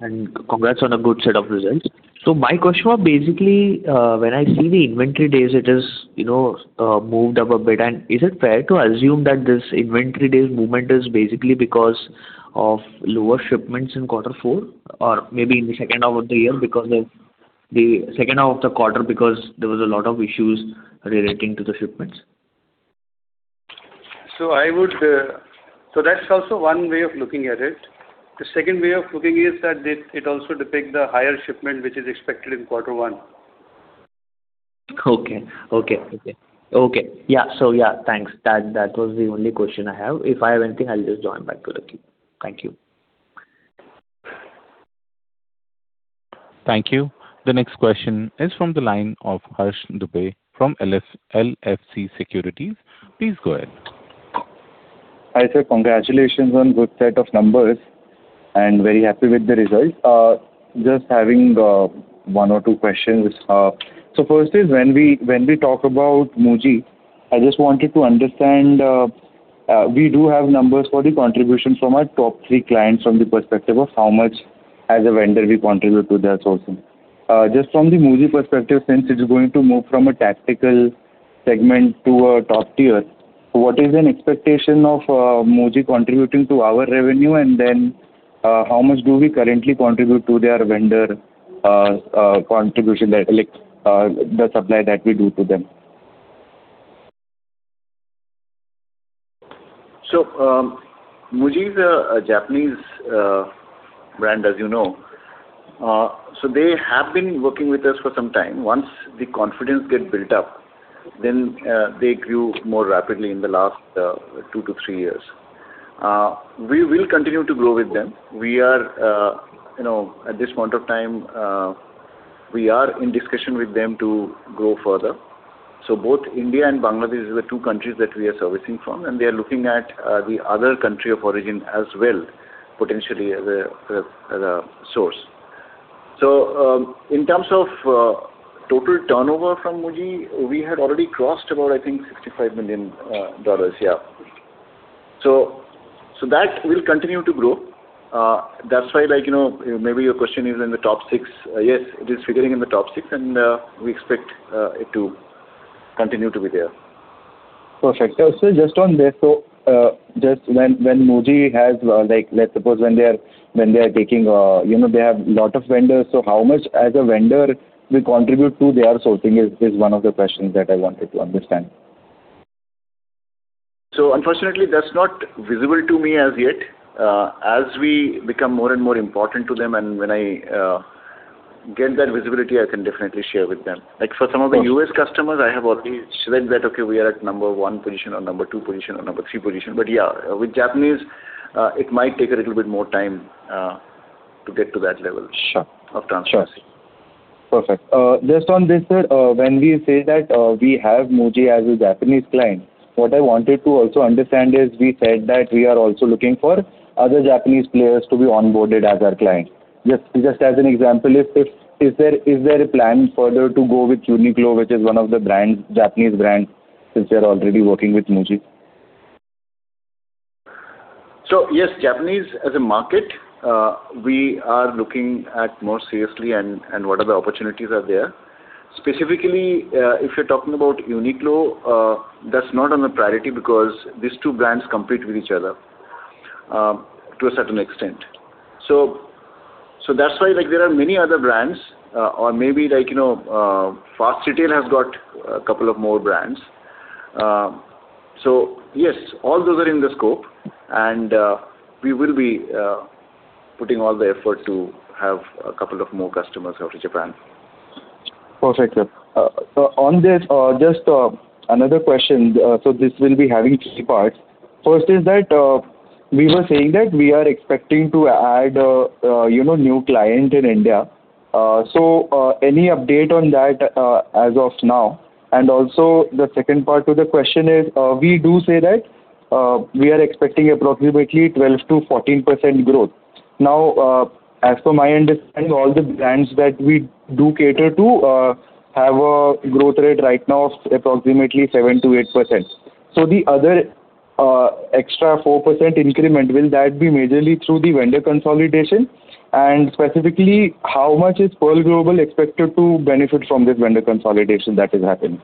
Congrats on a good set of results. My question was basically, when I see the inventory days, it is, you know, moved up a bit. Is it fair to assume that this inventory days movement is basically because of lower shipments in quarter four or maybe in the second half of the year because there was a lot of issues relating to the shipments? That's also one way of looking at it. The second way of looking is that it also depicts the higher shipment which is expected in quarter one. Okay. Okay. Okay. Okay. Yeah, thanks. That was the only question I have. If I have anything, I'll just join back to the queue. Thank you. Thank you. The next question is from the line of Harsh Dubey from [L.F.C.] Securities. Please go ahead. Hi, sir. Congratulations on good set of numbers, and very happy with the results. Just having one or two questions. First is when we talk about MUJI, I just wanted to understand, we do have numbers for the contribution from our top three clients from the perspective of how much as a vendor we contribute to their sourcing. Just from the MUJI perspective, since it is going to move from a tactical segment to a top tier, what is an expectation of MUJI contributing to our revenue and then, how much do we currently contribute to their vendor contribution, the supply that we do to them? MUJI is a Japanese brand, as you know. They have been working with us for some time. Once the confidence get built up, they grew more rapidly in the last two to three years. We will continue to grow with them. We are, you know, at this point of time, we are in discussion with them to grow further. Both India and Bangladesh is the two countries that we are servicing from, and they are looking at the other country of origin as well, potentially as a source. In terms of total turnover from MUJI, we had already crossed about, I think, $65 million. Yeah. That will continue to grow. That's why like, you know, maybe your question is in the top six. Yes, it is figuring in the top six, and, we expect it to continue to be there. Perfect. Just on this, just when MUJI has, like let's suppose when they are taking, you know, they have lot of vendors, how much as a vendor we contribute to their sourcing is one of the questions that I wanted to understand. Unfortunately, that's not visible to me as yet. As we become more and more important to them and when I get that visibility, I can definitely share with them. Of course. U.S. customers, I have already said that, "Okay, we are at number one position or number two position or number three position." Yeah, with Japanese, it might take a little bit more time to get to that level. Sure Of transparency. Sure. Perfect. Just on this, sir, when we say that, we have MUJI as a Japanese client, what I wanted to also understand is we said that we are also looking for other Japanese players to be onboarded as our client. Just as an example, is there a plan further to go with UNIQLO, which is one of the brands, Japanese brands, since you're already working with MUJI? Yes, Japanese as a market, we are looking at more seriously and what are the opportunities are there. Specifically, if you're talking about UNIQLO, that's not on the priority because these two brands compete with each other to a certain extent. That's why like there are many other brands, or maybe like, you know, Fast Retailing has got a couple of more brands. Yes, all those are in the scope and we will be putting all the effort to have a couple of more customers out of Japan. Perfect, sir. So on this, just another question. This will be having three parts. First is that, we were saying that we are expecting to add, you know, new client in India. So, any update on that as of now? Also the second part to the question is, we do say that, we are expecting approximately 12%-14% growth. As per my understanding, all the brands that we do cater to, have a growth rate right now of approximately 7%-8%. The other, extra 4% increment, will that be majorly through the vendor consolidation? Specifically, how much is Pearl Global expected to benefit from this vendor consolidation that is happening?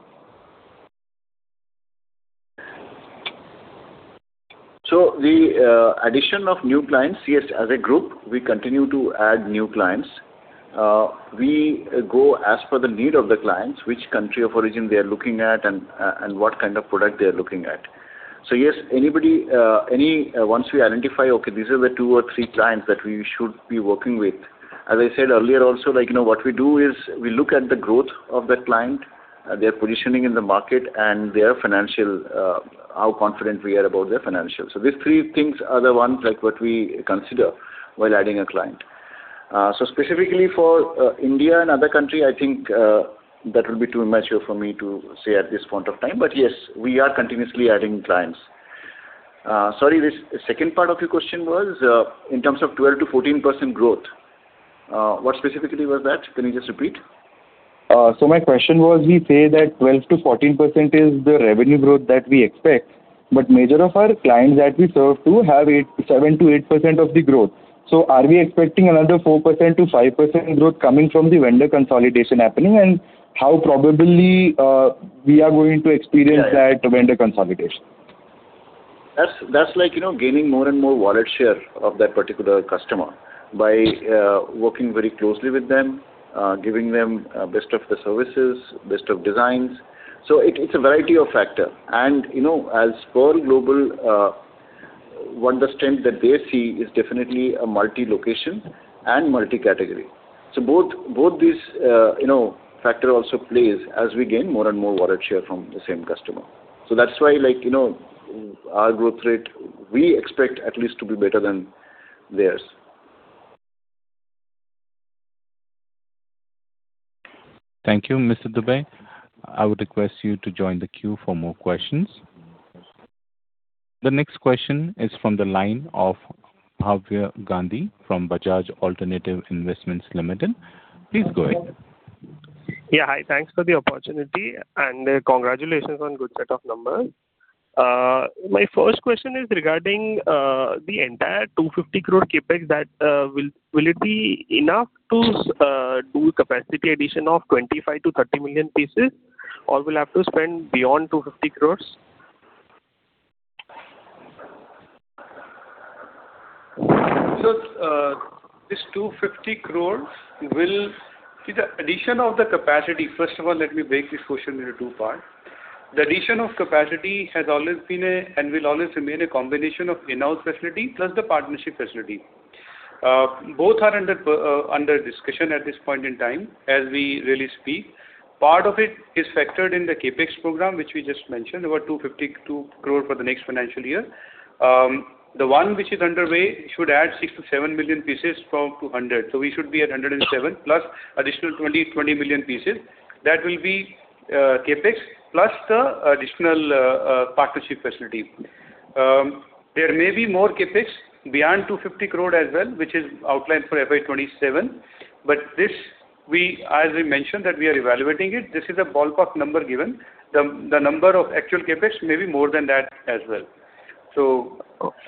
The addition of new clients, yes, as a group, we continue to add new clients. We go as per the need of the clients, which country of origin they are looking at and what kind of product they are looking at. Yes, anybody, once we identify, okay, these are the two or three clients that we should be working with, as I said earlier also, like, you know, what we do is we look at the growth of that client, their positioning in the market and their financial, how confident we are about their financials. These three things are the ones like what we consider while adding a client. Specifically for India and other country, I think, that will be too immature for me to say at this point of time. Yes, we are continuously adding clients. Sorry, the second part of your question was in terms of 12%-14% growth. What specifically was that? Can you just repeat? My question was, we say that 12%-14% is the revenue growth that we expect, but major of our clients that we serve to have 7%-8% of the growth. Are we expecting another 4%-5% growth coming from the vendor consolidation happening? How probably we are going to experience that vendor consolidation? That's like, you know, gaining more and more wallet share of that particular customer by working very closely with them, giving them best of the services, best of designs. It's a variety of factor. You know, as per Pearl Global, one strength that they see is definitely a multi-location and multi-category. Both these, you know, factor also plays as we gain more and more wallet share from the same customer. That's why, like, you know, our growth rate, we expect at least to be better than theirs. Thank you, Mr. Dubey. I would request you to join the queue for more questions. The next question is from the line of Bhavya Gandhi from Bajaj Alternative Investments Limited. Please go ahead. Yeah. Hi, thanks for the opportunity, congratulations on good set of numbers. My first question is regarding the entire 250 crore CapEx that will it be enough to do capacity addition of 25 million-30 million pieces, or will have to spend beyond 250 crore? This 250 crore. First of all, let me break this question into two parts. The addition of capacity has always been a, and will always remain a combination of in-house facility plus the partnership facility. Both are under discussion at this point in time as we really speak. Part of it is factored in the CapEx program, which we just mentioned, about 252 crore for the next financial year. The one which is underway should add 6 million-7 million pieces from 200. We should be at 107+ additional 20 million pieces. That will be CapEx plus the additional partnership facility. There may be more CapEx beyond 250 crore as well, which is outlined for FY 2027. As we mentioned that we are evaluating it, this is a ballpark number given. The number of actual CapEx may be more than that as well.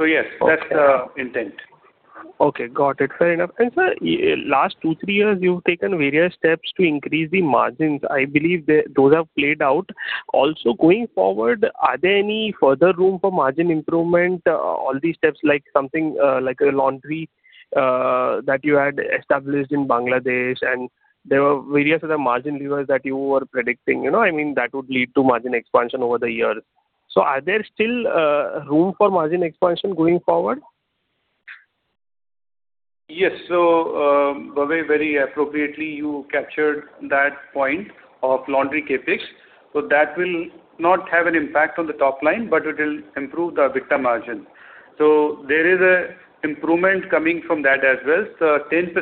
Yes, that's the intent. Okay. Got it. Fair enough. Sir, last two, three years, you've taken various steps to increase the margins. I believe those have played out. Going forward, are there any further room for margin improvement? All these steps like something, like a laundry, that you had established in Bangladesh, and there were various other margin levers that you were predicting. You know, I mean, that would lead to margin expansion over the years. Are there still, room for margin expansion going forward? Yes. Bhavya, very appropriately, you captured that point of laundry CapEx. That will not have an impact on the top-line, but it will improve the EBITDA margin. There is a improvement coming from that as well. 10%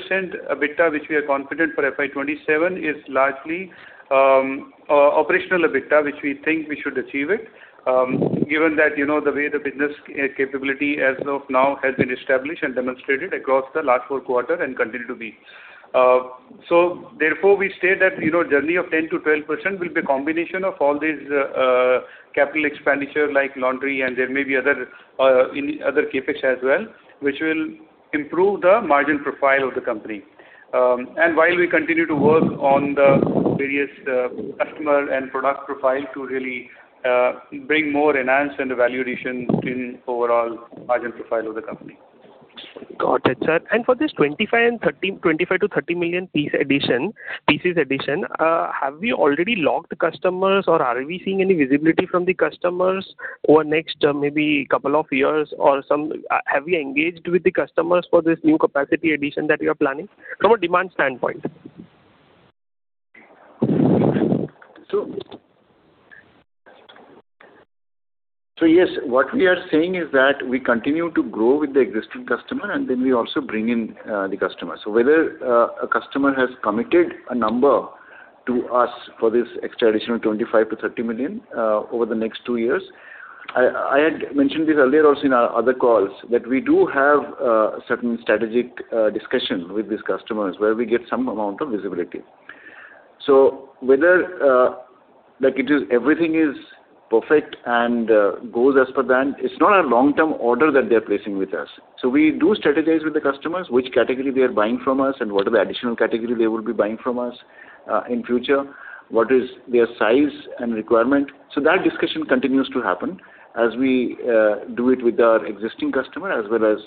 EBITDA, which we are confident for FY 2027, is largely operational EBITDA, which we think we should achieve it. Given that, you know, the way the business capability as of now has been established and demonstrated across the last four quarter and continue to be. Therefore, we state that, you know, journey of 10%-12% will be a combination of all these capital expenditure like laundry, and there may be other any other CapEx as well, which will improve the margin profile of the company. While we continue to work on the various customer and product profile to really bring more enhanced and value addition in overall margin profile of the company. Got it, sir. For this 25 million-30 million piece addition, have we already locked customers or are we seeing any visibility from the customers over next maybe couple of years or have we engaged with the customers for this new capacity addition that we are planning from a demand standpoint? Yes, what we are saying is that we continue to grow with the existing customer, and then we also bring in the customer. Whether a customer has committed a number to us for this extra additional 25 million-30 million over the next two years. I had mentioned this earlier also in our other calls that we do have certain strategic discussion with these customers where we get some amount of visibility. Whether, like it is everything is perfect and goes as per plan, it's not a long-term order that they're placing with us. We do strategize with the customers which category they are buying from us and what are the additional category they will be buying from us in future, what is their size and requirement. That discussion continues to happen as we do it with our existing customer as well as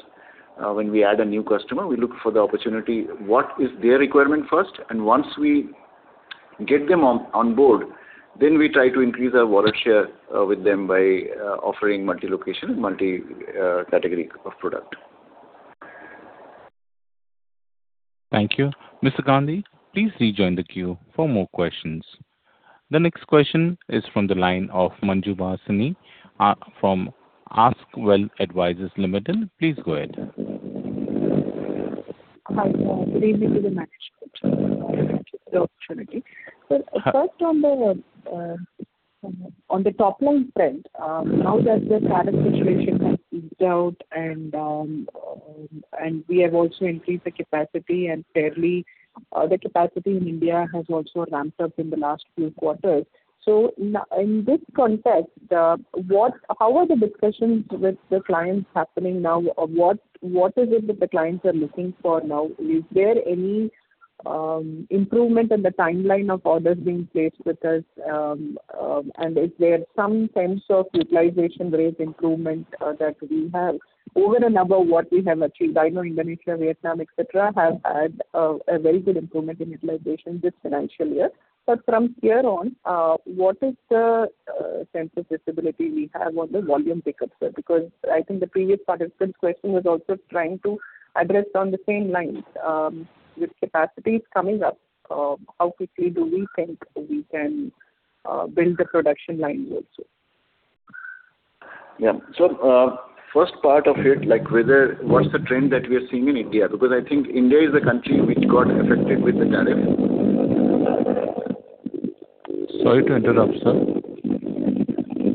when we add a new customer. We look for the opportunity, what is their requirement first, and once we get them on board, then we try to increase our wallet share with them by offering multi-location, multi category of product. Thank you. Mr. Gandhi, please rejoin the queue for more questions. The next question is from the line of [Manju Vasani] from ASK Wealth Advisors Limited. Please go ahead. Hi, sir. Good evening to the management. Thank you for the opportunity. First on the on the on the top-line trend, now that the tariff situation has eased out and we have also increased the capacity and fairly, the capacity in India has also ramped up in the last few quarters. In this context, how are the discussions with the clients happening now? What is it that the clients are looking for now? Is there any improvement in the timeline of orders being placed with us, and is there some sense of utilization rate improvement that we have over and above what we have achieved? I know Indonesia, Vietnam, et cetera, have had a very good improvement in utilization this financial year. From here on, what is the sense of visibility we have on the volume pick up, sir? I think the previous participant's question was also trying to address on the same lines. With capacities coming up, how quickly do we think we can build the production line also? First part of it, like what's the trend that we are seeing in India? Because I think India is a country which got affected with the tariff. Sorry to interrupt, sir.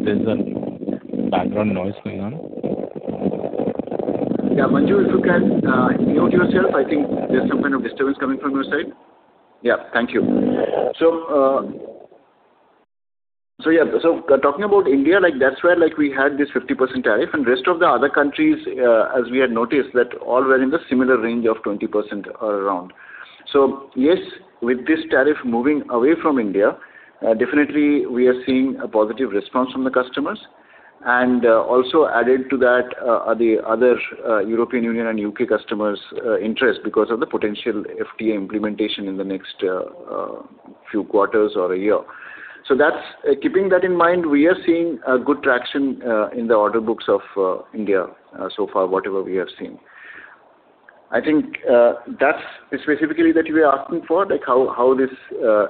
There's a background noise going on. Yeah, Manju, if you can mute yourself. I think there's some kind of disturbance coming from your side. Thank you. Talking about India, like, that's where, like, we had this 50% tariff, and rest of the other countries, as we had noticed, that all were in the similar range of 20% or around. Yes, with this tariff moving away from India, definitely we are seeing a positive response from the customers. Also added to that are the other European Union and U.K. customers' interest because of the potential FTA implementation in the next few quarters or a year. Keeping that in mind, we are seeing good traction in the order books of India, so far, whatever we have seen. I think, that's specifically that you were asking for, like how this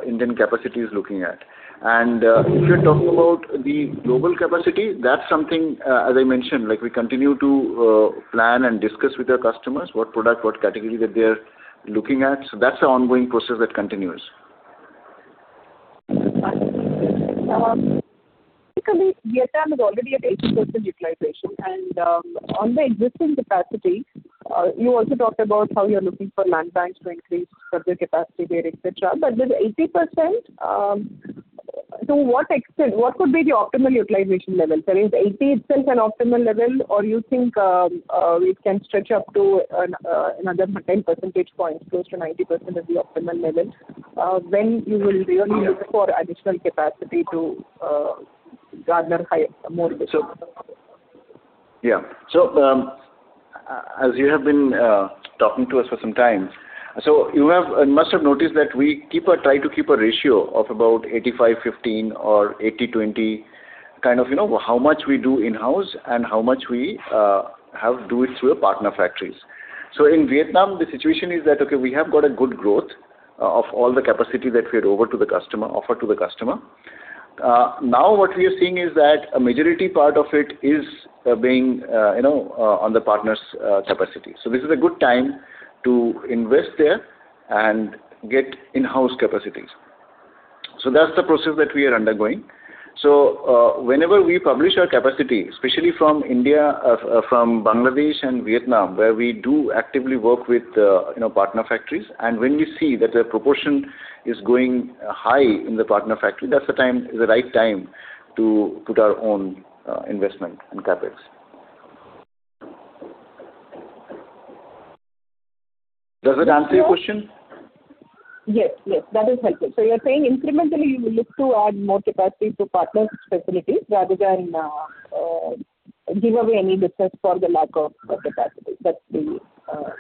Indian capacity is looking at. If you're talking about the global capacity, that's something, as I mentioned, like we continue to plan and discuss with our customers what product, what category that they are looking at. That's an ongoing process that continues. Basically Vietnam is already at 80% utilization. On the existing capacity, you also talked about how you're looking for land banks to increase further capacity there, et cetera. With 80%, what would be the optimal utilization level, sir? Is 80 itself an optimal level, or you think it can stretch up to another 10 percentage points, close to 90% is the optimal level, when you will really look for additional capacity to garner higher, more business? Yeah. As you have been talking to us for some time, you must have noticed that we try to keep a ratio of about 85:15 or 80:20, kind of, you know, how much we do in-house and how much we have to do it through our partner factories. In Vietnam, the situation is that, okay, we have got a good growth of all the capacity that we had offered to the customer. Now what we are seeing is that a majority part of it is being, you know, on the partners' capacity. This is a good time to invest there and get in-house capacities. That's the process that we are undergoing. Whenever we publish our capacity, especially from India, from Bangladesh and Vietnam, where we do actively work with, you know, partner factories, and when we see that the proportion is going high in the partner factory, that's the right time to put our own, investment and CapEx. Does that answer your question? Yes. Yes, that is helpful. You're saying incrementally you will look to add more capacity to partners' facilities rather than give away any business for the lack of capacity.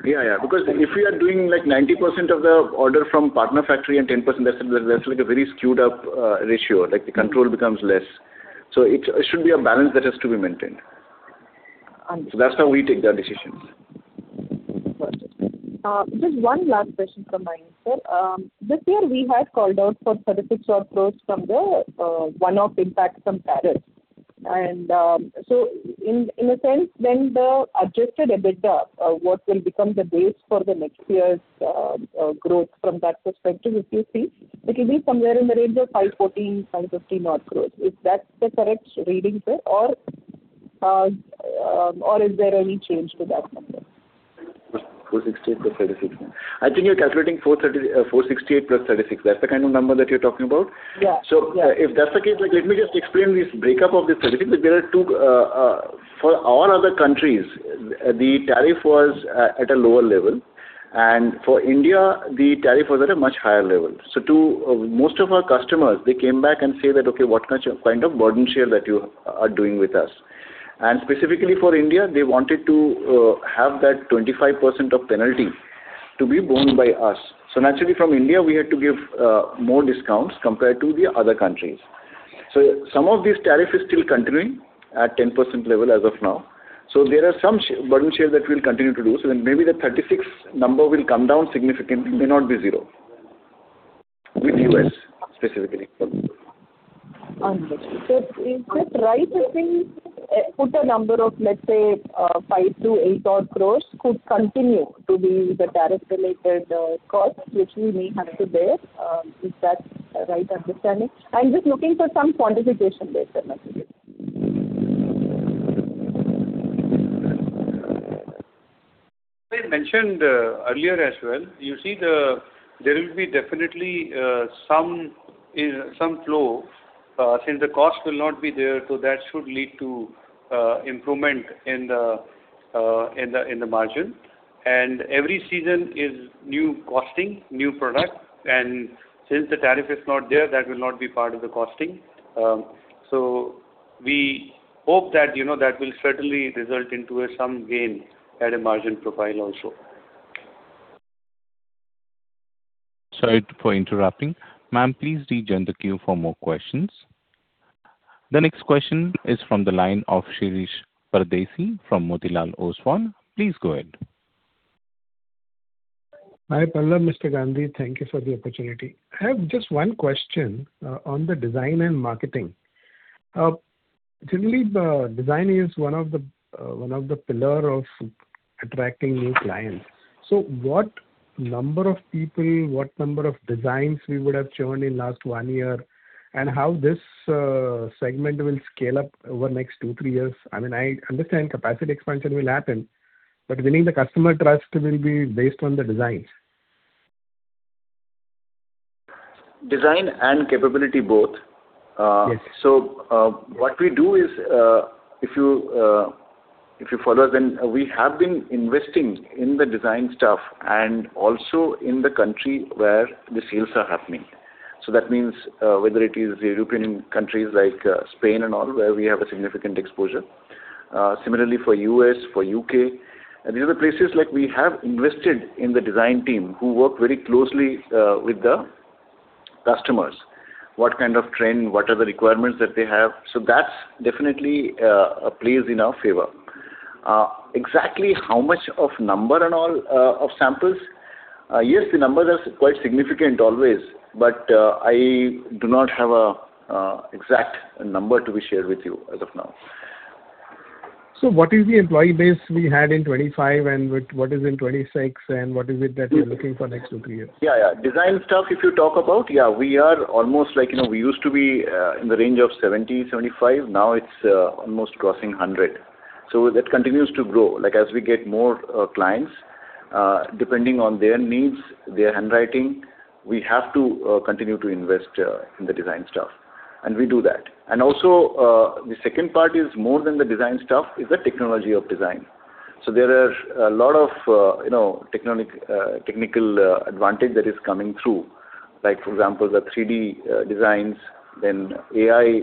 Yeah, yeah. Because if you are doing like 90% of the order from partner factory and 10% less, that's like a very skewed up ratio. Like the control becomes less. It should be a balance that has to be maintained. Understood. That's how we take that decision. Got it. Just one last question from my end, sir. This year we had called out for 36 odd crore from the one-off impact from tariff. In a sense, when the adjusted EBITDA, what will become the base for the next year's growth from that perspective, if you see, it will be somewhere in the range of 514, 550 odd crore. Is that the correct reading, sir? Is there any change to that number? 468 + 36. I think you're calculating 468 + 36. That's the kind of number that you're talking about? Yeah. Yeah. If that's the case, like, let me just explain this breakup of this 36. For all other countries, the tariff was at a lower level, and for India, the tariff was at a much higher level. To most of our customers, they came back and say that, "Okay, what kind of burden share that you are doing with us?" Specifically for India, they wanted to have that 25% of penalty to be borne by us. Naturally, from India, we had to give more discounts compared to the other countries. Some of this tariff is still continuing at 10% level as of now. There are some burden share that we'll continue to do. Maybe the 36 number will come down significantly. It may not be zero, with U.S. specifically. Understood. Is it right to think, put a number of, let's say, 5-8 odd crore could continue to be the tariff related costs which we may have to bear? Is that a right understanding? I'm just looking for some quantification there, sir. I mentioned earlier as well, you see there will be definitely some flow. Since the cost will not be there, that should lead to improvement in the margin. Every season is new costing, new product, and since the tariff is not there, that will not be part of the costing. We hope that, you know, that will certainly result into some gain at a margin profile also. Sorry for interrupting. Ma'am, please rejoin the queue for more questions. The next question is from the line of Shirish Pardeshi from Motilal Oswal. Please go ahead. Hi, Pallab, Mr. Gandhi, thank you for the opportunity. I have just one question on the design and marketing. Generally the design is one of the, one of the pillar of attracting new clients. What number of people, what number of designs we would have churned in last one year, and how this segment will scale up over the next two, three years? I mean, I understand capacity expansion will happen, but we need the customer trust will be based on the designs. Design and capability both. Yes. What we do is, if you, if you follow, we have been investing in the design staff and also in the country where the sales are happening. That means, whether it is European countries like Spain and all, where we have a significant exposure. Similarly for U.S., for U.K., and these are places like we have invested in the design team who work very closely with the customers. What kind of trend, what are the requirements that they have. That's definitely plays in our favor. Exactly how much of number and all, of samples? Yes, the numbers are quite significant always, but I do not have a exact number to be shared with you as of now. What is the employee base we had in 2025, and what is in 2026, and what is it that you're looking for next two, three years? Yeah, yeah. Design staff, if you talk about, yeah, we are almost like, you know, we used to be in the range of 70, 75. Now it's almost crossing 100. That continues to grow. Like, as we get more clients, depending on their needs, their handwriting, we have to continue to invest in the design staff. We do that. Also, the second part is more than the design staff is the technology of design. There are a lot of, you know, technical advantage that is coming through. Like for example, the 3D designs, then AI,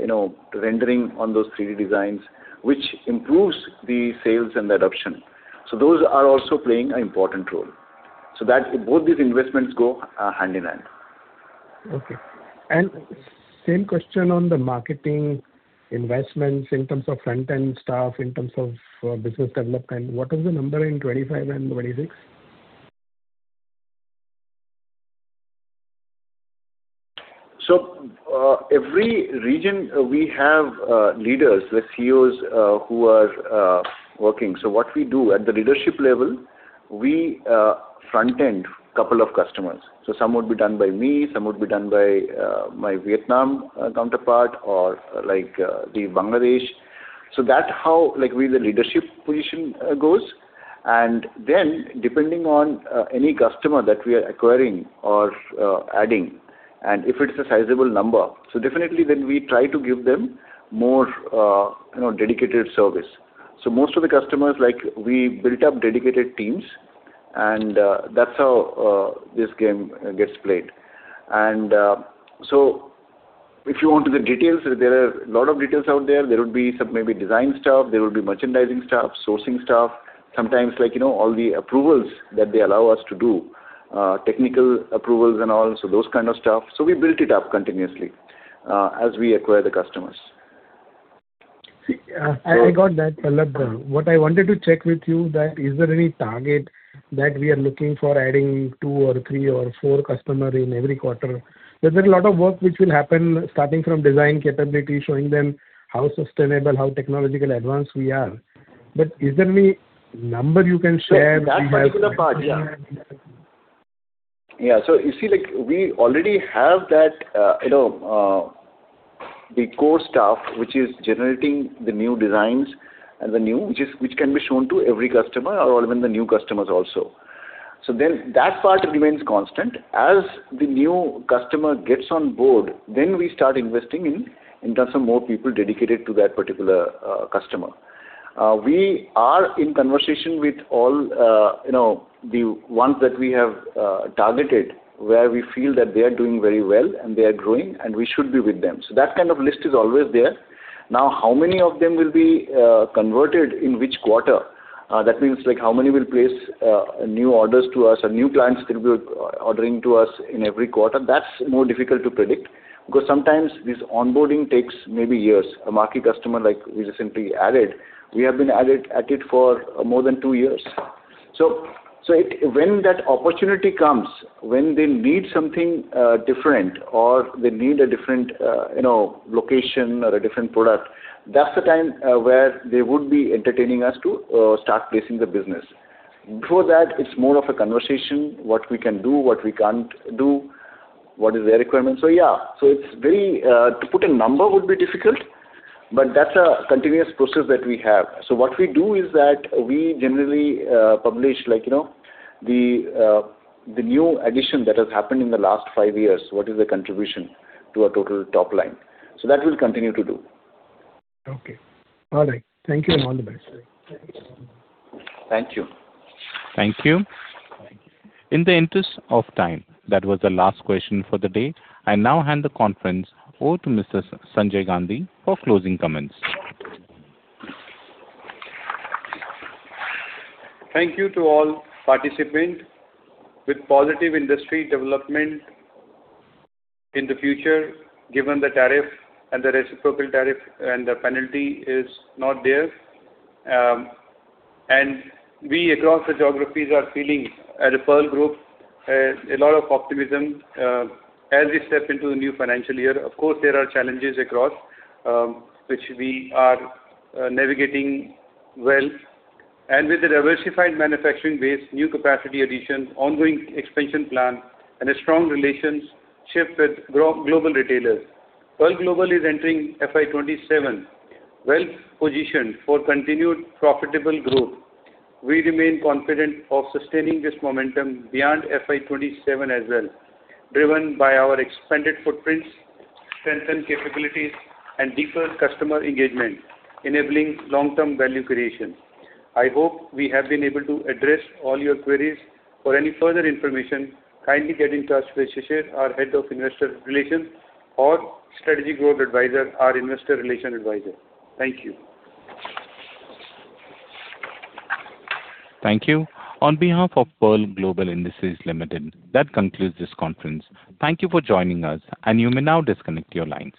you know, rendering on those 3D designs, which improves the sales and the adoption. Those are also playing an important role. Both these investments go hand in hand. Okay. Same question on the marketing investments in terms of front-end staff, in terms of business development. What was the number in 2025 and 2026? Every region we have leaders, the CEOs, who are working. What we do at the leadership level, we front-end couple of customers. Some would be done by me, some would be done by my Vietnam counterpart or like the Bangladesh. That how, like, we the leadership position goes. Then depending on any customer that we are acquiring or adding, and if it's a sizable number, so definitely then we try to give them more, you know, dedicated service. Most of the customers, like we built up dedicated teams, and that's how this game gets played. If you want the details, there are a lot of details out there. There would be some maybe design staff, there would be merchandising staff, sourcing staff, sometimes like, you know, all the approvals that they allow us to do, technical approvals and all, so those kind of staff. We built it up continuously, as we acquire the customers. See, I got that, Pallab. What I wanted to check with you that is there any target that we are looking for adding two or three or four customer in every quarter? There's a lot of work which will happen starting from design capability, showing them how sustainable, how technological advanced we are. Is there any number you can share? That particular part. Yeah. You see, like we already have that, you know, the core staff which is generating the new designs and the new which can be shown to every customer or even the new customers also. That part remains constant. As the new customer gets on board, then we start investing in terms of more people dedicated to that particular customer. We are in conversation with all, you know, the ones that we have targeted, where we feel that they are doing very well and they are growing and we should be with them. That kind of list is always there. Now, how many of them will be converted in which quarter? That means like how many will place new orders to us or new clients will be ordering to us in every quarter? That's more difficult to predict because sometimes this onboarding takes maybe years. A marquee customer like we recently added, we have been at it for more than two years. When that opportunity comes, when they need something different or they need a different, you know, location or a different product, that's the time where they would be entertaining us to start placing the business. Before that, it's more of a conversation, what we can do, what we can't do, what is their requirement. Yeah, so it's very to put a number would be difficult, but that's a continuous process that we have. What we do is that we generally, publish like, you know, the new addition that has happened in the last five years, what is the contribution to our total top-line. That we'll continue to do. Okay. All right. Thank you, and all the best. Thank you. Thank you. In the interest of time, that was the last question for the day. I now hand the conference over to Mr. Sanjay Gandhi for closing comments. Thank you to all participant. With positive industry development in the future, given the tariff and the reciprocal tariff and the penalty is not there, we across the geographies are feeling at Pearl Group a lot of optimism as we step into the new financial year. Of course, there are challenges across which we are navigating well. With a diversified manufacturing base, new capacity addition, ongoing expansion plan, and a strong relationship with global retailers, Pearl Global is entering FY 2027 well-positioned for continued profitable growth. We remain confident of sustaining this momentum beyond FY 2027 as well, driven by our expanded footprints, strengthened capabilities, and deeper customer engagement, enabling long-term value creation. I hope we have been able to address all your queries. For any further information, kindly get in touch with Shishir, our Head of Investor Relations, or [Strategic Growth Advisors], our investor relations advisor. Thank you. Thank you. On behalf of Pearl Global Industries Limited, that concludes this conference. Thank you for joining us, and you may now disconnect your lines.